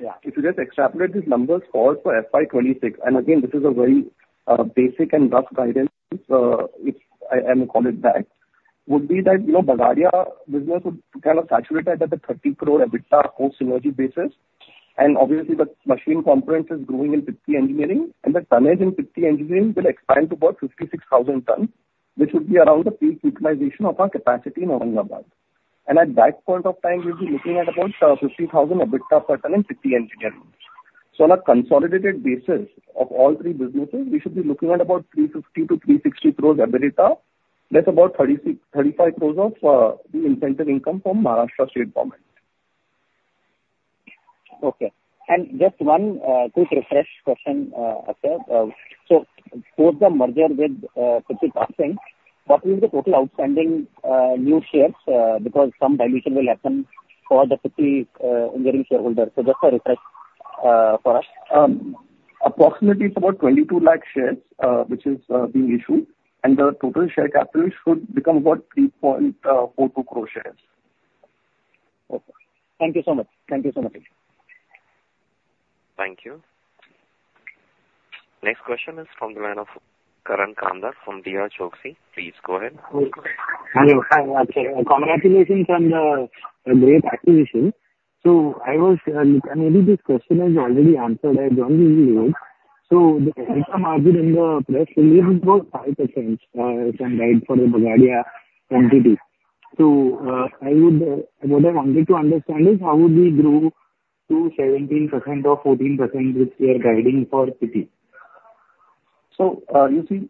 Speaker 10: Yeah.
Speaker 2: If you just extrapolate these numbers forward for FY 2026, and again, this is a very basic and rough guidance, if I may call it that, would be that, you know, Bagadia business would kind of saturate at the 30 crore EBITDA post-synergy basis. And obviously, the machine components is growing in Pitti Engineering, and the tonnage in Pitti Engineering will expand to about 56,000 tons, which would be around the peak utilization of our capacity in Aurangabad. And at that point of time, we'll be looking at about 50,000 EBITDA per ton in Pitti Engineering. So on a consolidated basis of all three businesses, we should be looking at about 350-360 crore EBITDA. That's about thirty-five crores of the incentive income from Maharashtra State Government.
Speaker 10: Okay. And just one quick refresh question, Akshay. So post the merger with Pitti Castings, what will be the total outstanding new shares, because some dilution will happen for the Pitti Engineering shareholders. So just a refresh for us.
Speaker 2: Approximately it's about 22 lakh shares, which is being issued, and the total share capital should become about 3.42 crore shares.
Speaker 10: Okay. Thank you so much. Thank you so much.
Speaker 1: Thank you. Next question is from the line of Karan Khanna from Ambit Capital. Please go ahead.
Speaker 11: Hello. Hi, Akshay. Congratulations on the great acquisition. So I was, maybe this question is already answered, I don't really know. So, I would, what I wanted to understand is how would we grow to 17% or 14%, which we are guiding for Pitti?
Speaker 2: So, you see,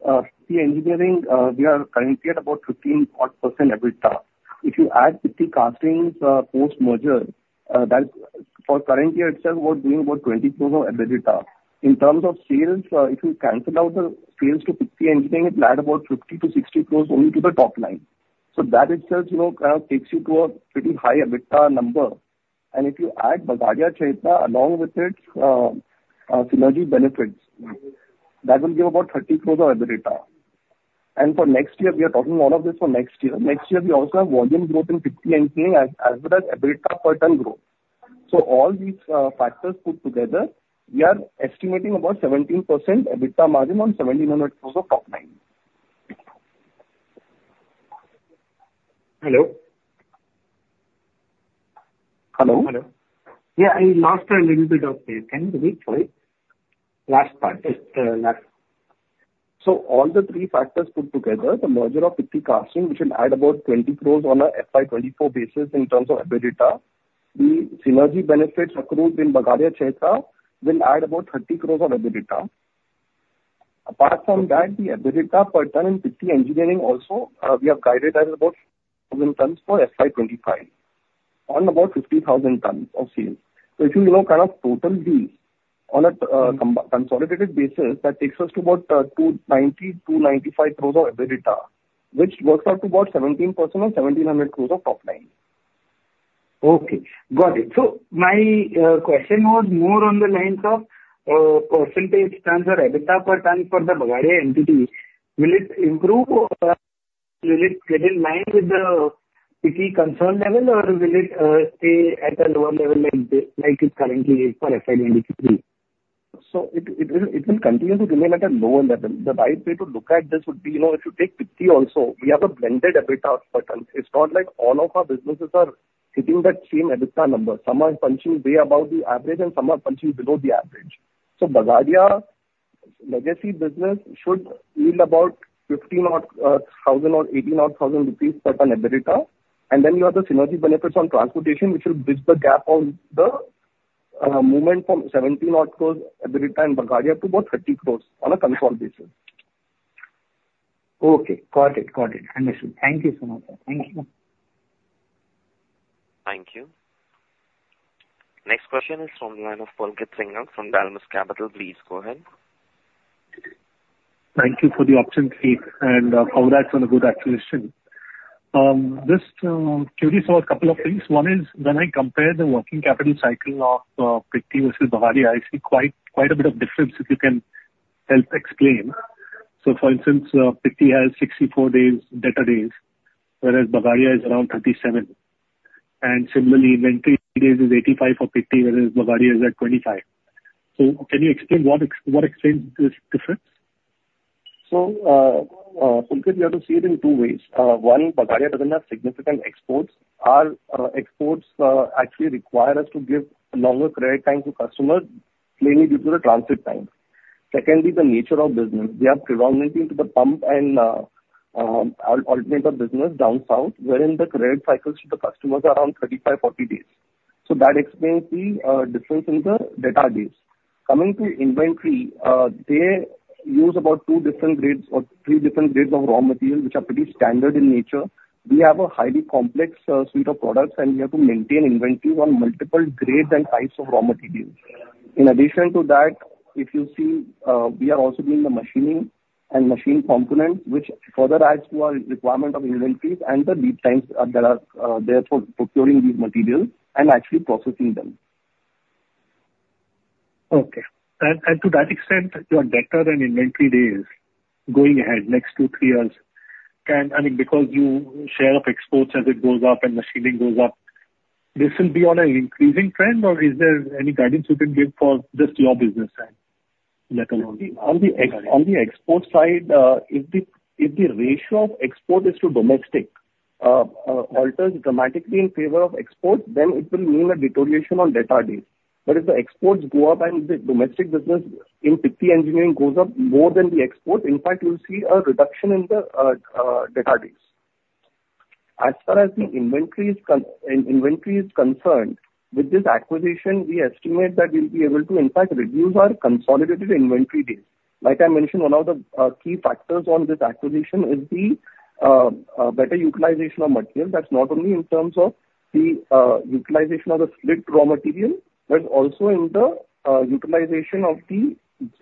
Speaker 2: Pitti Engineering, we are currently at about 15% EBITDA. If you add Pitti Castings, post-merger, that's for currently itself, we're doing about 20 crore of EBITDA. In terms of sales, if you cancel out the sales to Pitti Engineering, it will add about 50-60 crore only to the top line. So that itself, you know, kind of takes you to a pretty high EBITDA number. And if you add Bagadia Chaitra along with its, synergy benefits, that will give about 30 crore of EBITDA. And for next year, we are talking all of this for next year. Next year, we also have volume growth in Pitti Engineering, as well as EBITDA per ton growth. All these factors put together, we are estimating about 17% EBITDA margin on 1,700 crores of top line.
Speaker 11: Hello? Hello.
Speaker 2: Hello.
Speaker 11: Yeah, I lost a little bit of the end of it. Sorry. Last part.
Speaker 2: So all the three factors put together, the merger of Pitti Castings, which will add about 20 crore on a FY 2024 basis in terms of EBITDA. The synergy benefits accrued in Bagadia Chaitra will add about 30 crore on EBITDA. Apart from that, the EBITDA per ton in Pitti Engineering also, we have guided at about 1 million tons for FY 2025, on about 50,000 tons of sales. So if you now kind of total these on a consolidated basis, that takes us to about 290-295 crore of EBITDA, which works out to about 17% on 1,700 crore of top line.
Speaker 11: Okay, got it. So my question was more on the lines of percentage terms or EBITDA per ton for the Bagadia entity. Will it improve or will it get in line with the Pitti concern level, or will it stay at a lower level, like it, like it currently is for FY 2023?
Speaker 2: So it will continue to remain at a lower level. The right way to look at this would be, you know, if you take Pitti also, we have a blended EBITDA per ton. It's not like all of our businesses are hitting that same EBITDA number. Some are punching way above the average and some are punching below the average. So Bagadia legacy business should yield about fifteen odd thousand rupees per ton EBITDA. And then you have the synergy benefits on transportation, which will bridge the gap on the movement from seventeen odd crores EBITDA in Bagadia to about thirty crores on a consolidated basis.
Speaker 11: Okay, got it, got it. Understood. Thank you so much, sir. Thank you.
Speaker 1: Thank you. Next question is from the line of Pulkit Singhal from Dalmus Capital. Please go ahead.
Speaker 12: Thank you for the opportunity and congrats on the good acquisition. Just curious about a couple of things. One is, when I compare the working capital cycle of Pitti versus Bagadia, I see quite, quite a bit of difference, if you can help explain. So for instance, Pitti has 64 days, debtor days, whereas Bagadia is around 37, and similarly, inventory days is 85 for Pitti, whereas Bagadia is at 25. So can you explain what explains this difference?...
Speaker 2: So, Pulkit, you have to see it in two ways. One, Bagadia doesn't have significant exports. Our exports actually require us to give longer credit time to customers, mainly due to the transit time. Secondly, the nature of business. We are predominantly into the pump and alternator business down south, wherein the credit cycles to the customers are around 35-40 days. So that explains the difference in the debtor days. Coming to inventory, they use about two different grades or three different grades of raw materials, which are pretty standard in nature. We have a highly complex suite of products, and we have to maintain inventories on multiple grades and types of raw materials. In addition to that, if you see, we are also doing the machining and machine components, which further adds to our requirement of inventories and the lead times that are there for procuring these materials and actually processing them.
Speaker 12: Okay. And to that extent, your debtor and inventory days, going ahead next two, three years, I mean, because your share of exports as it goes up and machining goes up, this will be on an increasing trend, or is there any guidance you can give for just your business side, let alone the-
Speaker 2: On the export side, if the ratio of export is to domestic, alters dramatically in favor of export, then it will mean a deterioration on debtor days. But if the exports go up and the domestic business in Pitti Engineering goes up more than the export, in fact, you'll see a reduction in the debtor days. As far as the inventory is concerned, with this acquisition, we estimate that we'll be able to in fact reduce our consolidated inventory days. Like I mentioned, one of the key factors on this acquisition is the better utilization of material. That's not only in terms of the utilization of the split raw material, but also in the utilization of the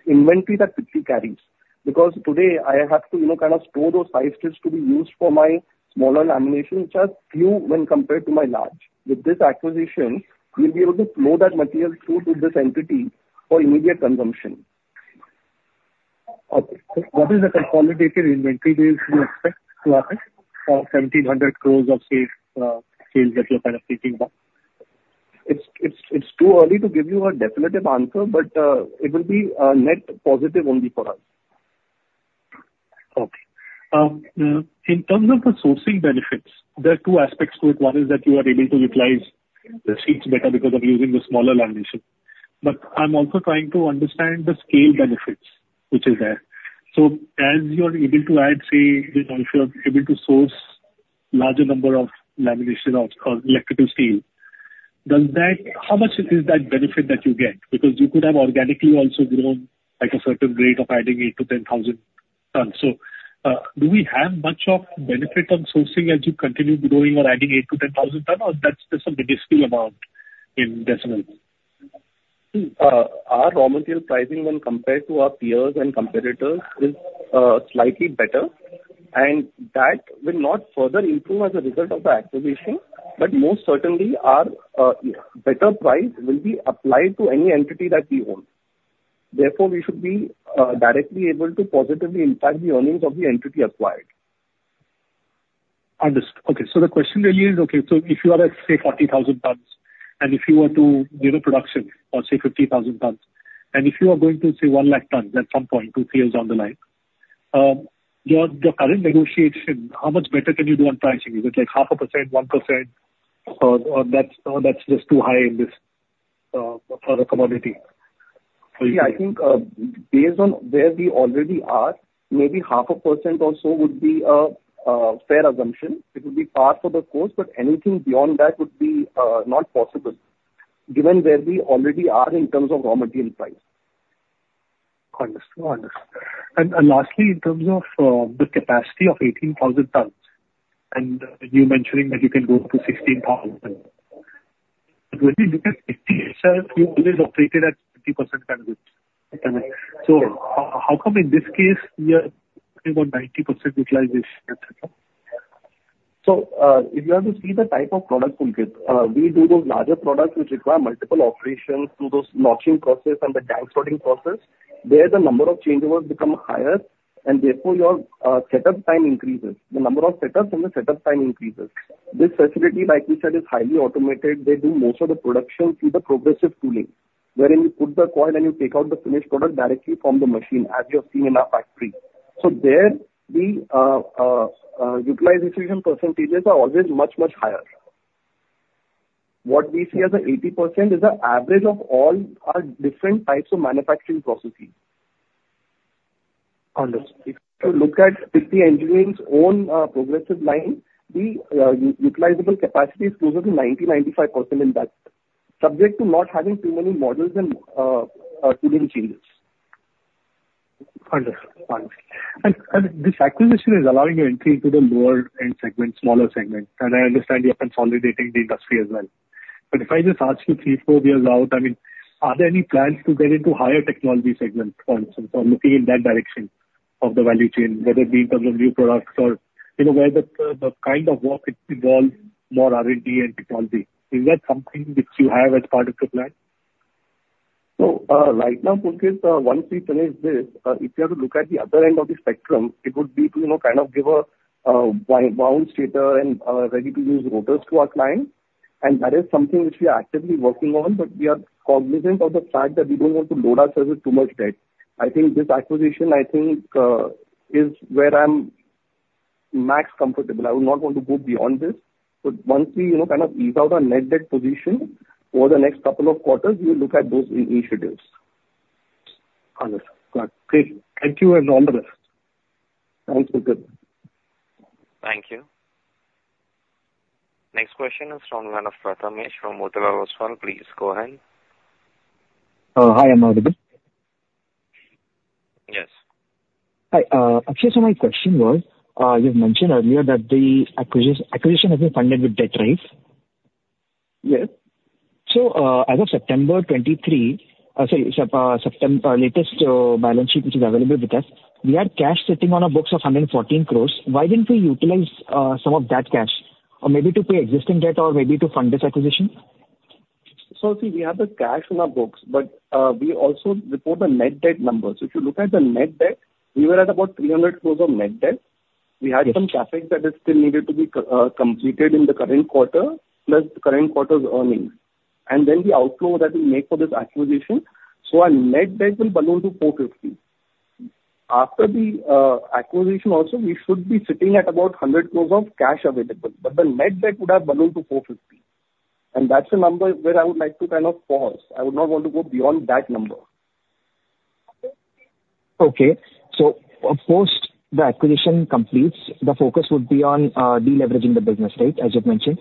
Speaker 2: inventory that Pitti carries. Because today, I have to, you know, kind of store those split coils to be used for my smaller laminations, which are few when compared to my large. With this acquisition, we'll be able to flow that material through to this entity for immediate consumption.
Speaker 12: Okay. What is the consolidated inventory days you expect to happen for 1,700 crores of sales, sales that you're kind of picking up?
Speaker 2: It's too early to give you a definitive answer, but it will be a net positive only for us.
Speaker 12: Okay. In terms of the sourcing benefits, there are two aspects to it. One is that you are able to utilize the sheets better because of using the smaller lamination. But I'm also trying to understand the scale benefits, which is there. So as you're able to add, say, you know, if you're able to source larger number of lamination or electrical steel, does that... How much is that benefit that you get? Because you could have organically also grown at a certain rate of adding 8,000-10,000 tons. So, do we have much of benefit on sourcing as you continue growing or adding 8,000-10,000 tons, or that's just a minuscule amount in decimal?
Speaker 2: Our raw material pricing when compared to our peers and competitors is slightly better, and that will not further improve as a result of the acquisition, but most certainly our better price will be applied to any entity that we own. Therefore, we should be directly able to positively impact the earnings of the entity acquired.
Speaker 12: Understood. Okay. So the question really is, okay, so if you are at, say, 40,000 tons, and if you were to build a production of, say, 50,000 tons, and if you are going to say 100,000 tons at some point, 2-3 years down the line, your current negotiation, how much better can you do on pricing? Is it like 0.5%, 1%, or that's just too high in this for the commodity?
Speaker 2: See, I think, based on where we already are, maybe 0.5% or so would be a fair assumption. It would be par for the course, but anything beyond that would be not possible, given where we already are in terms of raw material price.
Speaker 12: Understood. Understood. And, and lastly, in terms of the capacity of 18,000 tons, and you mentioning that you can go up to 16,000, but when we look at CFY itself, you only operated at 50% capacity. So how come in this case, we are talking about 90% utilization?
Speaker 2: So, if you have to see the type of product, Pulkit, we do those larger products which require multiple operations through those notching process and the stack sorting process, where the number of changeovers become higher and therefore your setup time increases. The number of setups and the setup time increases. This facility, like we said, is highly automated. They do most of the production through the progressive tooling, wherein you put the coil and you take out the finished product directly from the machine, as you have seen in our factory. So there, the utilization percentages are always much, much higher. What we see as the 80% is the average of all our different types of manufacturing processes.
Speaker 12: Understood.
Speaker 2: If you look at Pitti Engineering's own progressive line, the utilizable capacity is closer to 90%-95% in that, subject to not having too many models and setup changes.
Speaker 12: Understood. Understood. And, and this acquisition is allowing you entry into the lower end segment, smaller segment, and I understand you're consolidating the industry as well. But if I just ask you 3, 4 years out, I mean, are there any plans to get into higher technology segment or, or looking in that direction of the value chain, whether it be in terms of new products or, you know, where the, the kind of work it involves more R&D and technology? Is that something which you have as part of the plan?
Speaker 2: So, right now, Pulkit, once we finish this, if you have to look at the other end of the spectrum, it would be to, you know, kind of give a wound stator and ready-to-use rotors to our clients. And that is something which we are actively working on, but we are cognizant of the fact that we don't want to load ourselves with too much debt. I think this acquisition, I think, is where I'm max comfortable. I would not want to go beyond this. But once we, you know, kind of ease out our net debt position over the next couple of quarters, we will look at those initiatives.
Speaker 12: Understood. Got it. Thank you, and all the best.
Speaker 2: Thanks, Vikrant.
Speaker 1: Thank you. Next question is from Prathamesh from Motilal Oswal. Please go ahead.
Speaker 5: Hi, I'm audible?
Speaker 1: Yes.
Speaker 5: Hi, actually, so my question was, you've mentioned earlier that the acquisition has been funded with debt raise.
Speaker 2: Yes.
Speaker 5: As of September, latest balance sheet, which is available with us, we had cash sitting on our books of 114 crore. Why didn't we utilize some of that cash, or maybe to pay existing debt or maybe to fund this acquisition?
Speaker 2: So see, we have the cash on our books, but we also report the net debt numbers. If you look at the net debt, we were at about 300 crore of net debt.
Speaker 5: Yes.
Speaker 2: We had some CapEx that is still needed to be completed in the current quarter, plus the current quarter's earnings, and then the outflow that we make for this acquisition. So our net debt will balloon to 450 crores. After the acquisition also, we should be sitting at about 100 crores of cash available, but the net debt would have ballooned to 450 crores, and that's a number where I would like to kind of pause. I would not want to go beyond that number.
Speaker 5: Okay. So of course, the acquisition completes, the focus would be on de-leveraging the business, right? As you've mentioned.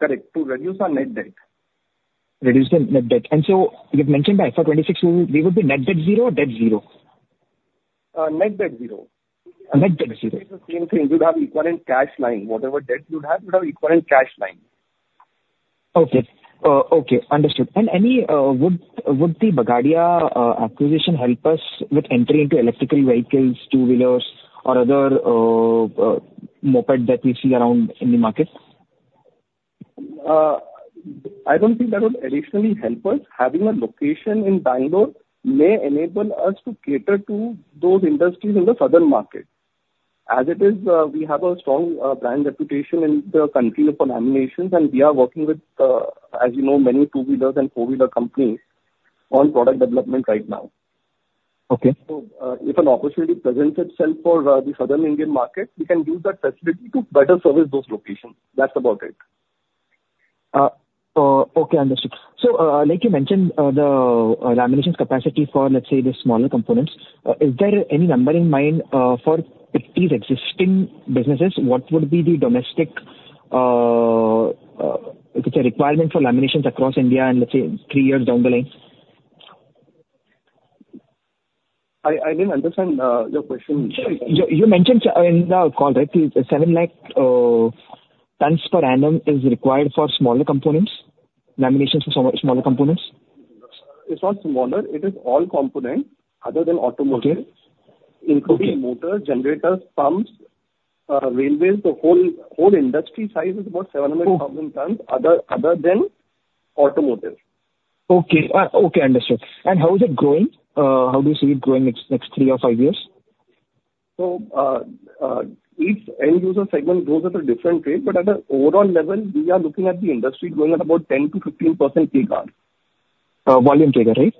Speaker 2: Correct. To reduce our net debt.
Speaker 5: Reduce the net debt. And so you've mentioned by FY 2026, we would be net debt zero or debt zero?
Speaker 2: Net debt zero.
Speaker 5: Net debt 0.
Speaker 2: It's the same thing. You'd have equivalent cash lying. Whatever debt you'd have, you'd have equivalent cash lying.
Speaker 5: Okay. Okay, understood. Would the Bagadia acquisition help us with entry into electric vehicles, two-wheelers or other moped that we see around in the market?
Speaker 2: I don't think that would additionally help us. Having a location in Bangalore may enable us to cater to those industries in the southern market. As it is, we have a strong, brand reputation in the country for laminations, and we are working with, as you know, many two-wheeler and four-wheeler companies on product development right now.
Speaker 5: Okay.
Speaker 2: So, if an opportunity presents itself for the Southern Indian market, we can use that facility to better service those locations. That's about it.
Speaker 5: Okay. Understood. So, like you mentioned, the laminations capacity for, let's say, the smaller components, is there any number in mind for Pitti's existing businesses? What would be the domestic, if it's a requirement for laminations across India and let's say three years down the line?
Speaker 2: I didn't understand your question.
Speaker 5: Sure. You, you mentioned in the call, right, the 700,000 tons per annum is required for smaller components, laminations for smaller components.
Speaker 2: It's not smaller, it is all components other than automotive.
Speaker 5: Okay.
Speaker 2: Including motors, generators, pumps, railways. The whole industry size is about 700 million tons other than automotive.
Speaker 5: Okay. Okay, understood. And how is it growing? How do you see it growing next, next three or five years?
Speaker 2: Each end user segment grows at a different rate, but at an overall level, we are looking at the industry growing at about 10%-15% CAGR.
Speaker 5: Volume CAGR, right?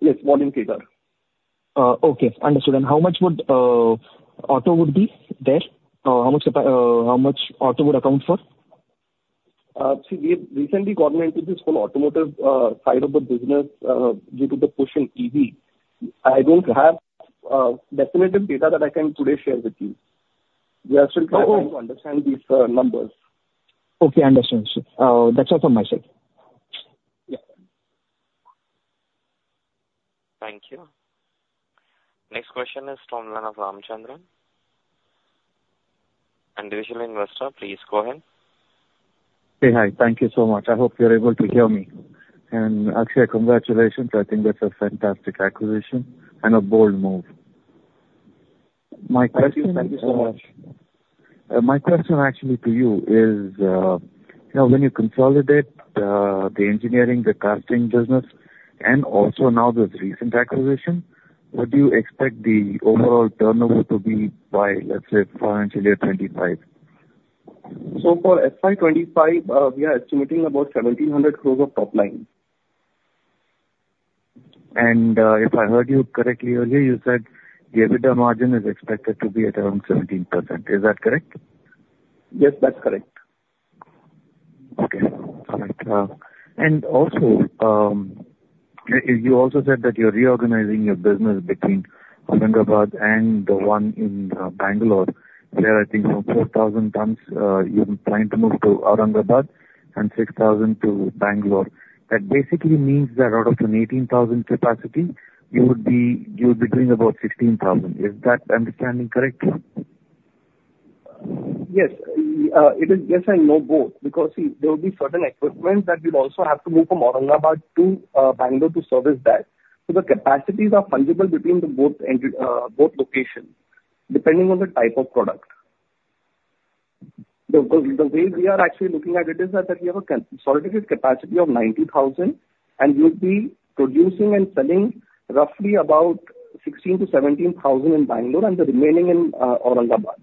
Speaker 2: Yes, volume CAGR.
Speaker 5: Okay. Understood. And how much would auto be there? How much auto would account for?
Speaker 2: See, we have recently got into this whole automotive side of the business due to the push in EV. I don't have definitive data that I can today share with you. We are still trying to understand these numbers.
Speaker 5: Okay, understood. That's all from my side.
Speaker 2: Yeah.
Speaker 1: Thank you. Next question is from one of Ramchandran. Individual investor, please go ahead.
Speaker 13: Hey. Hi. Thank you so much. I hope you're able to hear me. Actually, congratulations, I think that's a fantastic acquisition and a bold move. My question-
Speaker 2: Thank you so much.
Speaker 13: My question actually to you is, you know, when you consolidate, the engineering, the casting business, and also now this recent acquisition, what do you expect the overall turnover to be by, let's say, financial year 25?
Speaker 2: For FY 2025, we are estimating about 1,700 crore of top line.
Speaker 13: If I heard you correctly earlier, you said the EBITDA margin is expected to be at around 17%. Is that correct?
Speaker 2: Yes, that's correct.
Speaker 13: Okay. All right, and also, you also said that you're reorganizing your business between Aurangabad and the one in Bangalore, where I think 4,000 tons you're planning to move to Aurangabad and 6,000 to Bangalore. That basically means that out of an 18,000 capacity, you would be, you would be doing about 16,000. Is that understanding correctly?
Speaker 2: Yes. It is yes and no, both, because, see, there will be certain equipment that we'd also have to move from Aurangabad to Bangalore to service that. So the capacities are fungible between the both end, both locations, depending on the type of product. The way we are actually looking at it is that we have a consolidated capacity of 90,000 and we'll be producing and selling roughly about 16,000-17,000 in Bangalore, and the remaining in Aurangabad.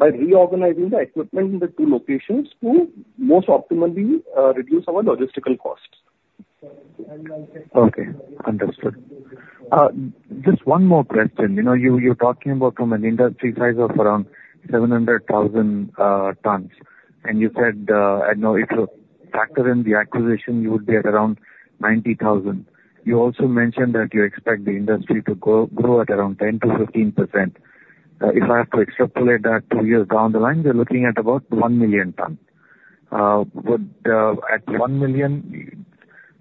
Speaker 2: By reorganizing the equipment in the two locations to most optimally reduce our logistical costs.
Speaker 13: Okay, understood. Just one more question. You know, you're talking about from an industry size of around 700,000 tons, and you said, I know if you factor in the acquisition, you would be at around 90,000. You also mentioned that you expect the industry to grow at around 10%-15%. If I have to extrapolate that two years down the line, we're looking at about 1 million ton. Would, at 1 million,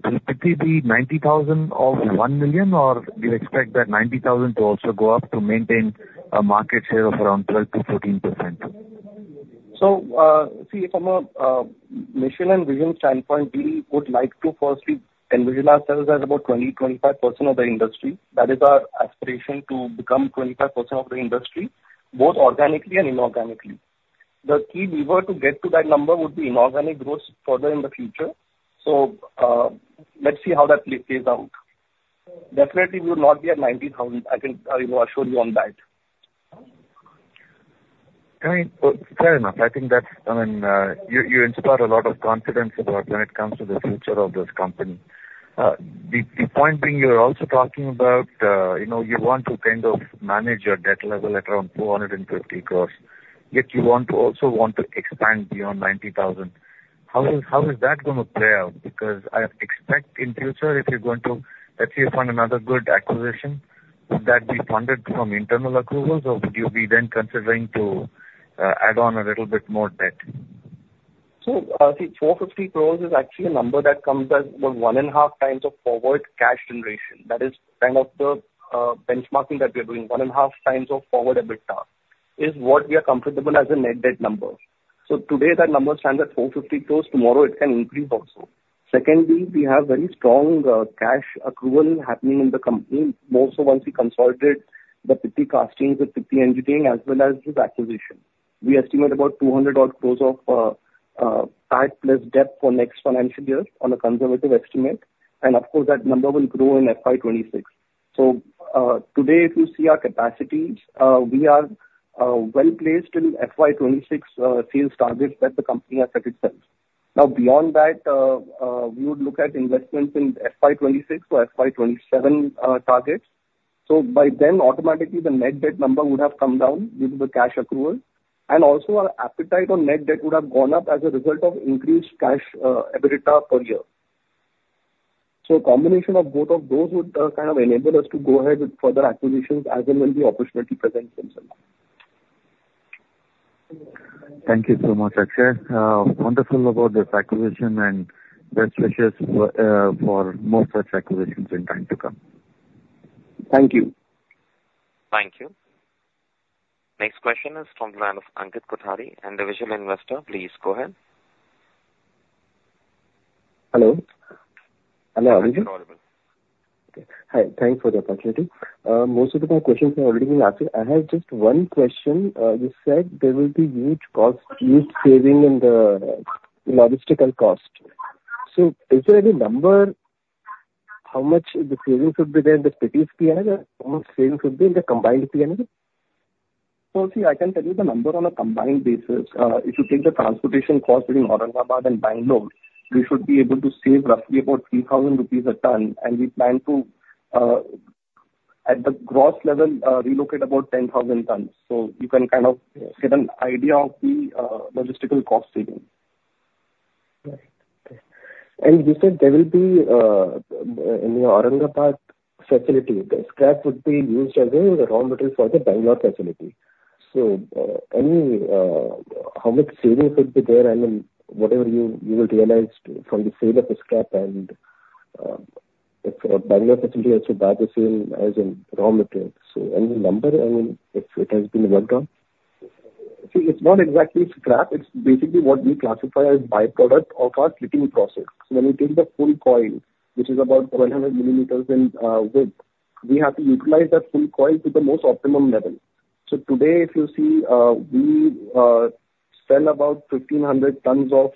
Speaker 13: will it be 90,000 of 1 million, or do you expect that 90,000 to also go up to maintain a market share of around 12%-14%?
Speaker 2: So, see, from a mission and vision standpoint, we would like to firstly envision ourselves as about 20-25% of the industry. That is our aspiration, to become 25% of the industry, both organically and inorganically. The key lever to get to that number would be inorganic growth further in the future. So, let's see how that plays out. Definitely we will not be at 90,000. I can, you know, assure you on that.
Speaker 13: I mean, fair enough. I think that's, I mean, you inspire a lot of confidence about when it comes to the future of this company. The point being, you're also talking about, you know, you want to kind of manage your debt level at around 450 crores, yet you want to also want to expand beyond 90,000. How is that gonna play out? Because I expect in future, if you're going to, let's say, find another good acquisition, would that be funded from internal accruals, or would you be then considering to add on a little bit more debt?
Speaker 2: So, see, 450 crore is actually a number that comes as 1.5 times of forward cash generation. That is kind of the benchmarking that we are doing. 1.5 times of forward EBITDA is what we are comfortable as a net debt number. So today, that number stands at 450 crore. Tomorrow it can increase also. Secondly, we have very strong cash accrual happening in the company, more so once we consolidated the Pitti Castings with Pitti Engineering as well as with acquisition. We estimate about 200 crore of CapEx plus debt for next financial year on a conservative estimate, and of course, that number will grow in FY 2026. So, today, if you see our capacities, we are well placed in FY 2026 sales targets that the company has set itself. Now, beyond that, we would look at investments in FY 2026 or FY 2027 targets. So by then, automatically the net debt number would have come down due to the cash accrual, and also our appetite on net debt would have gone up as a result of increased cash, EBITDA per year. So combination of both of those would kind of enable us to go ahead with further acquisitions as and when the opportunity presents itself.
Speaker 13: Thank you so much, Akshay. Wonderful about this acquisition, and best wishes for more such acquisitions in time to come.
Speaker 2: Thank you.
Speaker 1: Thank you. Next question is from the line of Ankit Kothari, Individual Investor. Please go ahead.
Speaker 14: Hello? Hello, Akshay.
Speaker 2: I can hear you audible.
Speaker 14: Okay. Hi, thanks for the opportunity. Most of my questions have already been asked. I have just one question. You said there will be huge cost, huge saving in the logistical cost. So is there any number, how much the savings would be there in the Pitti's PNL, how much saving should be in the combined PNL?
Speaker 2: So see, I can tell you the number on a combined basis. If you take the transportation cost between Aurangabad and Bangalore, we should be able to save roughly about 3,000 rupees a ton, and we plan to, at the gross level, relocate about 10,000 tons. So you can kind of get an idea of the logistical cost saving.
Speaker 14: Right. Okay. And you said there will be in the Aurangabad facility, the scrap would be used as a raw material for the Bangalore facility. So, any... How much saving could be there and then whatever you will realize from the sale of the scrap and, if Bangalore facility has to buy the same as in raw materials. So any number, I mean, if it has been worked on?
Speaker 2: See, it's not exactly scrap. It's basically what we classify as byproduct of our slitting process. When we take the full coil, which is about 1,200 millimeters in width, we have to utilize that full coil to the most optimum level. So today, if you see, we sell about 1,500 tons of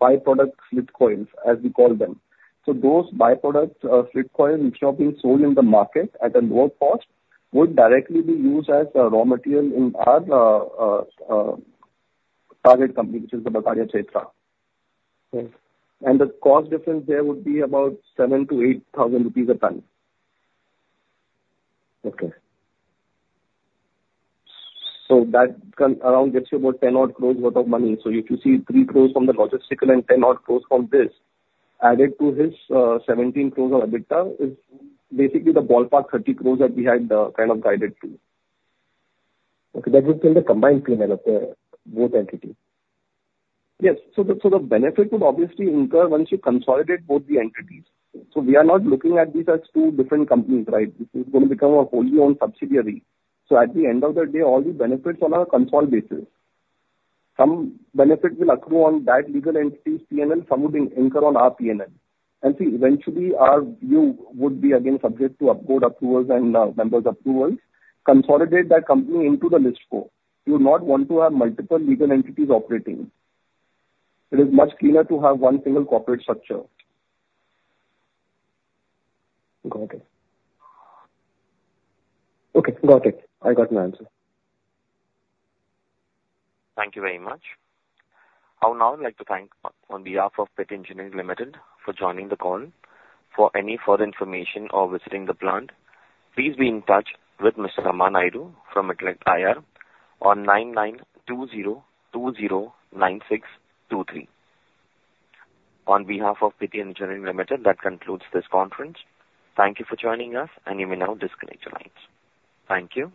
Speaker 2: byproduct slit coils, as we call them. So those byproduct slit coils, which are being sold in the market at a lower cost, would directly be used as a raw material in our target company, which is the Bagadia Chaitra.
Speaker 14: Okay.
Speaker 2: The cost difference there would be about 7,000-8,000 rupees a ton.
Speaker 14: Okay.
Speaker 2: So that can around gets you about 10 crore worth of money. So if you see 3 crore from the logistical and 10 crore from this, added to this, 17 crore of EBITDA, is basically the ballpark 30 crore that we had, kind of guided to.
Speaker 14: Okay, that would be the combined P&L of both entities?
Speaker 2: Yes. So the benefit would obviously incur once you consolidate both the entities. So we are not looking at these as two different companies, right? This is gonna become a wholly owned subsidiary. So at the end of the day, all the benefits on a consolidated basis. Some benefits will accrue on that legal entity's PNL, some would incur on our PNL. And see, eventually, our view would be again subject to board approvals and members' approvals, consolidate that company into the listco. You not want to have multiple legal entities operating. It is much cleaner to have one single corporate structure.
Speaker 14: Got it. Okay, got it. I got my answer.
Speaker 1: Thank you very much. I would now like to thank on behalf of Pitti Engineering Limited for joining the call. For any further information or visiting the plant, please be in touch with Mr. Raman Naidu from Mittal IR on 9920209623. On behalf of Pitti Engineering Limited, that concludes this conference. Thank you for joining us, and you may now disconnect your lines. Thank you.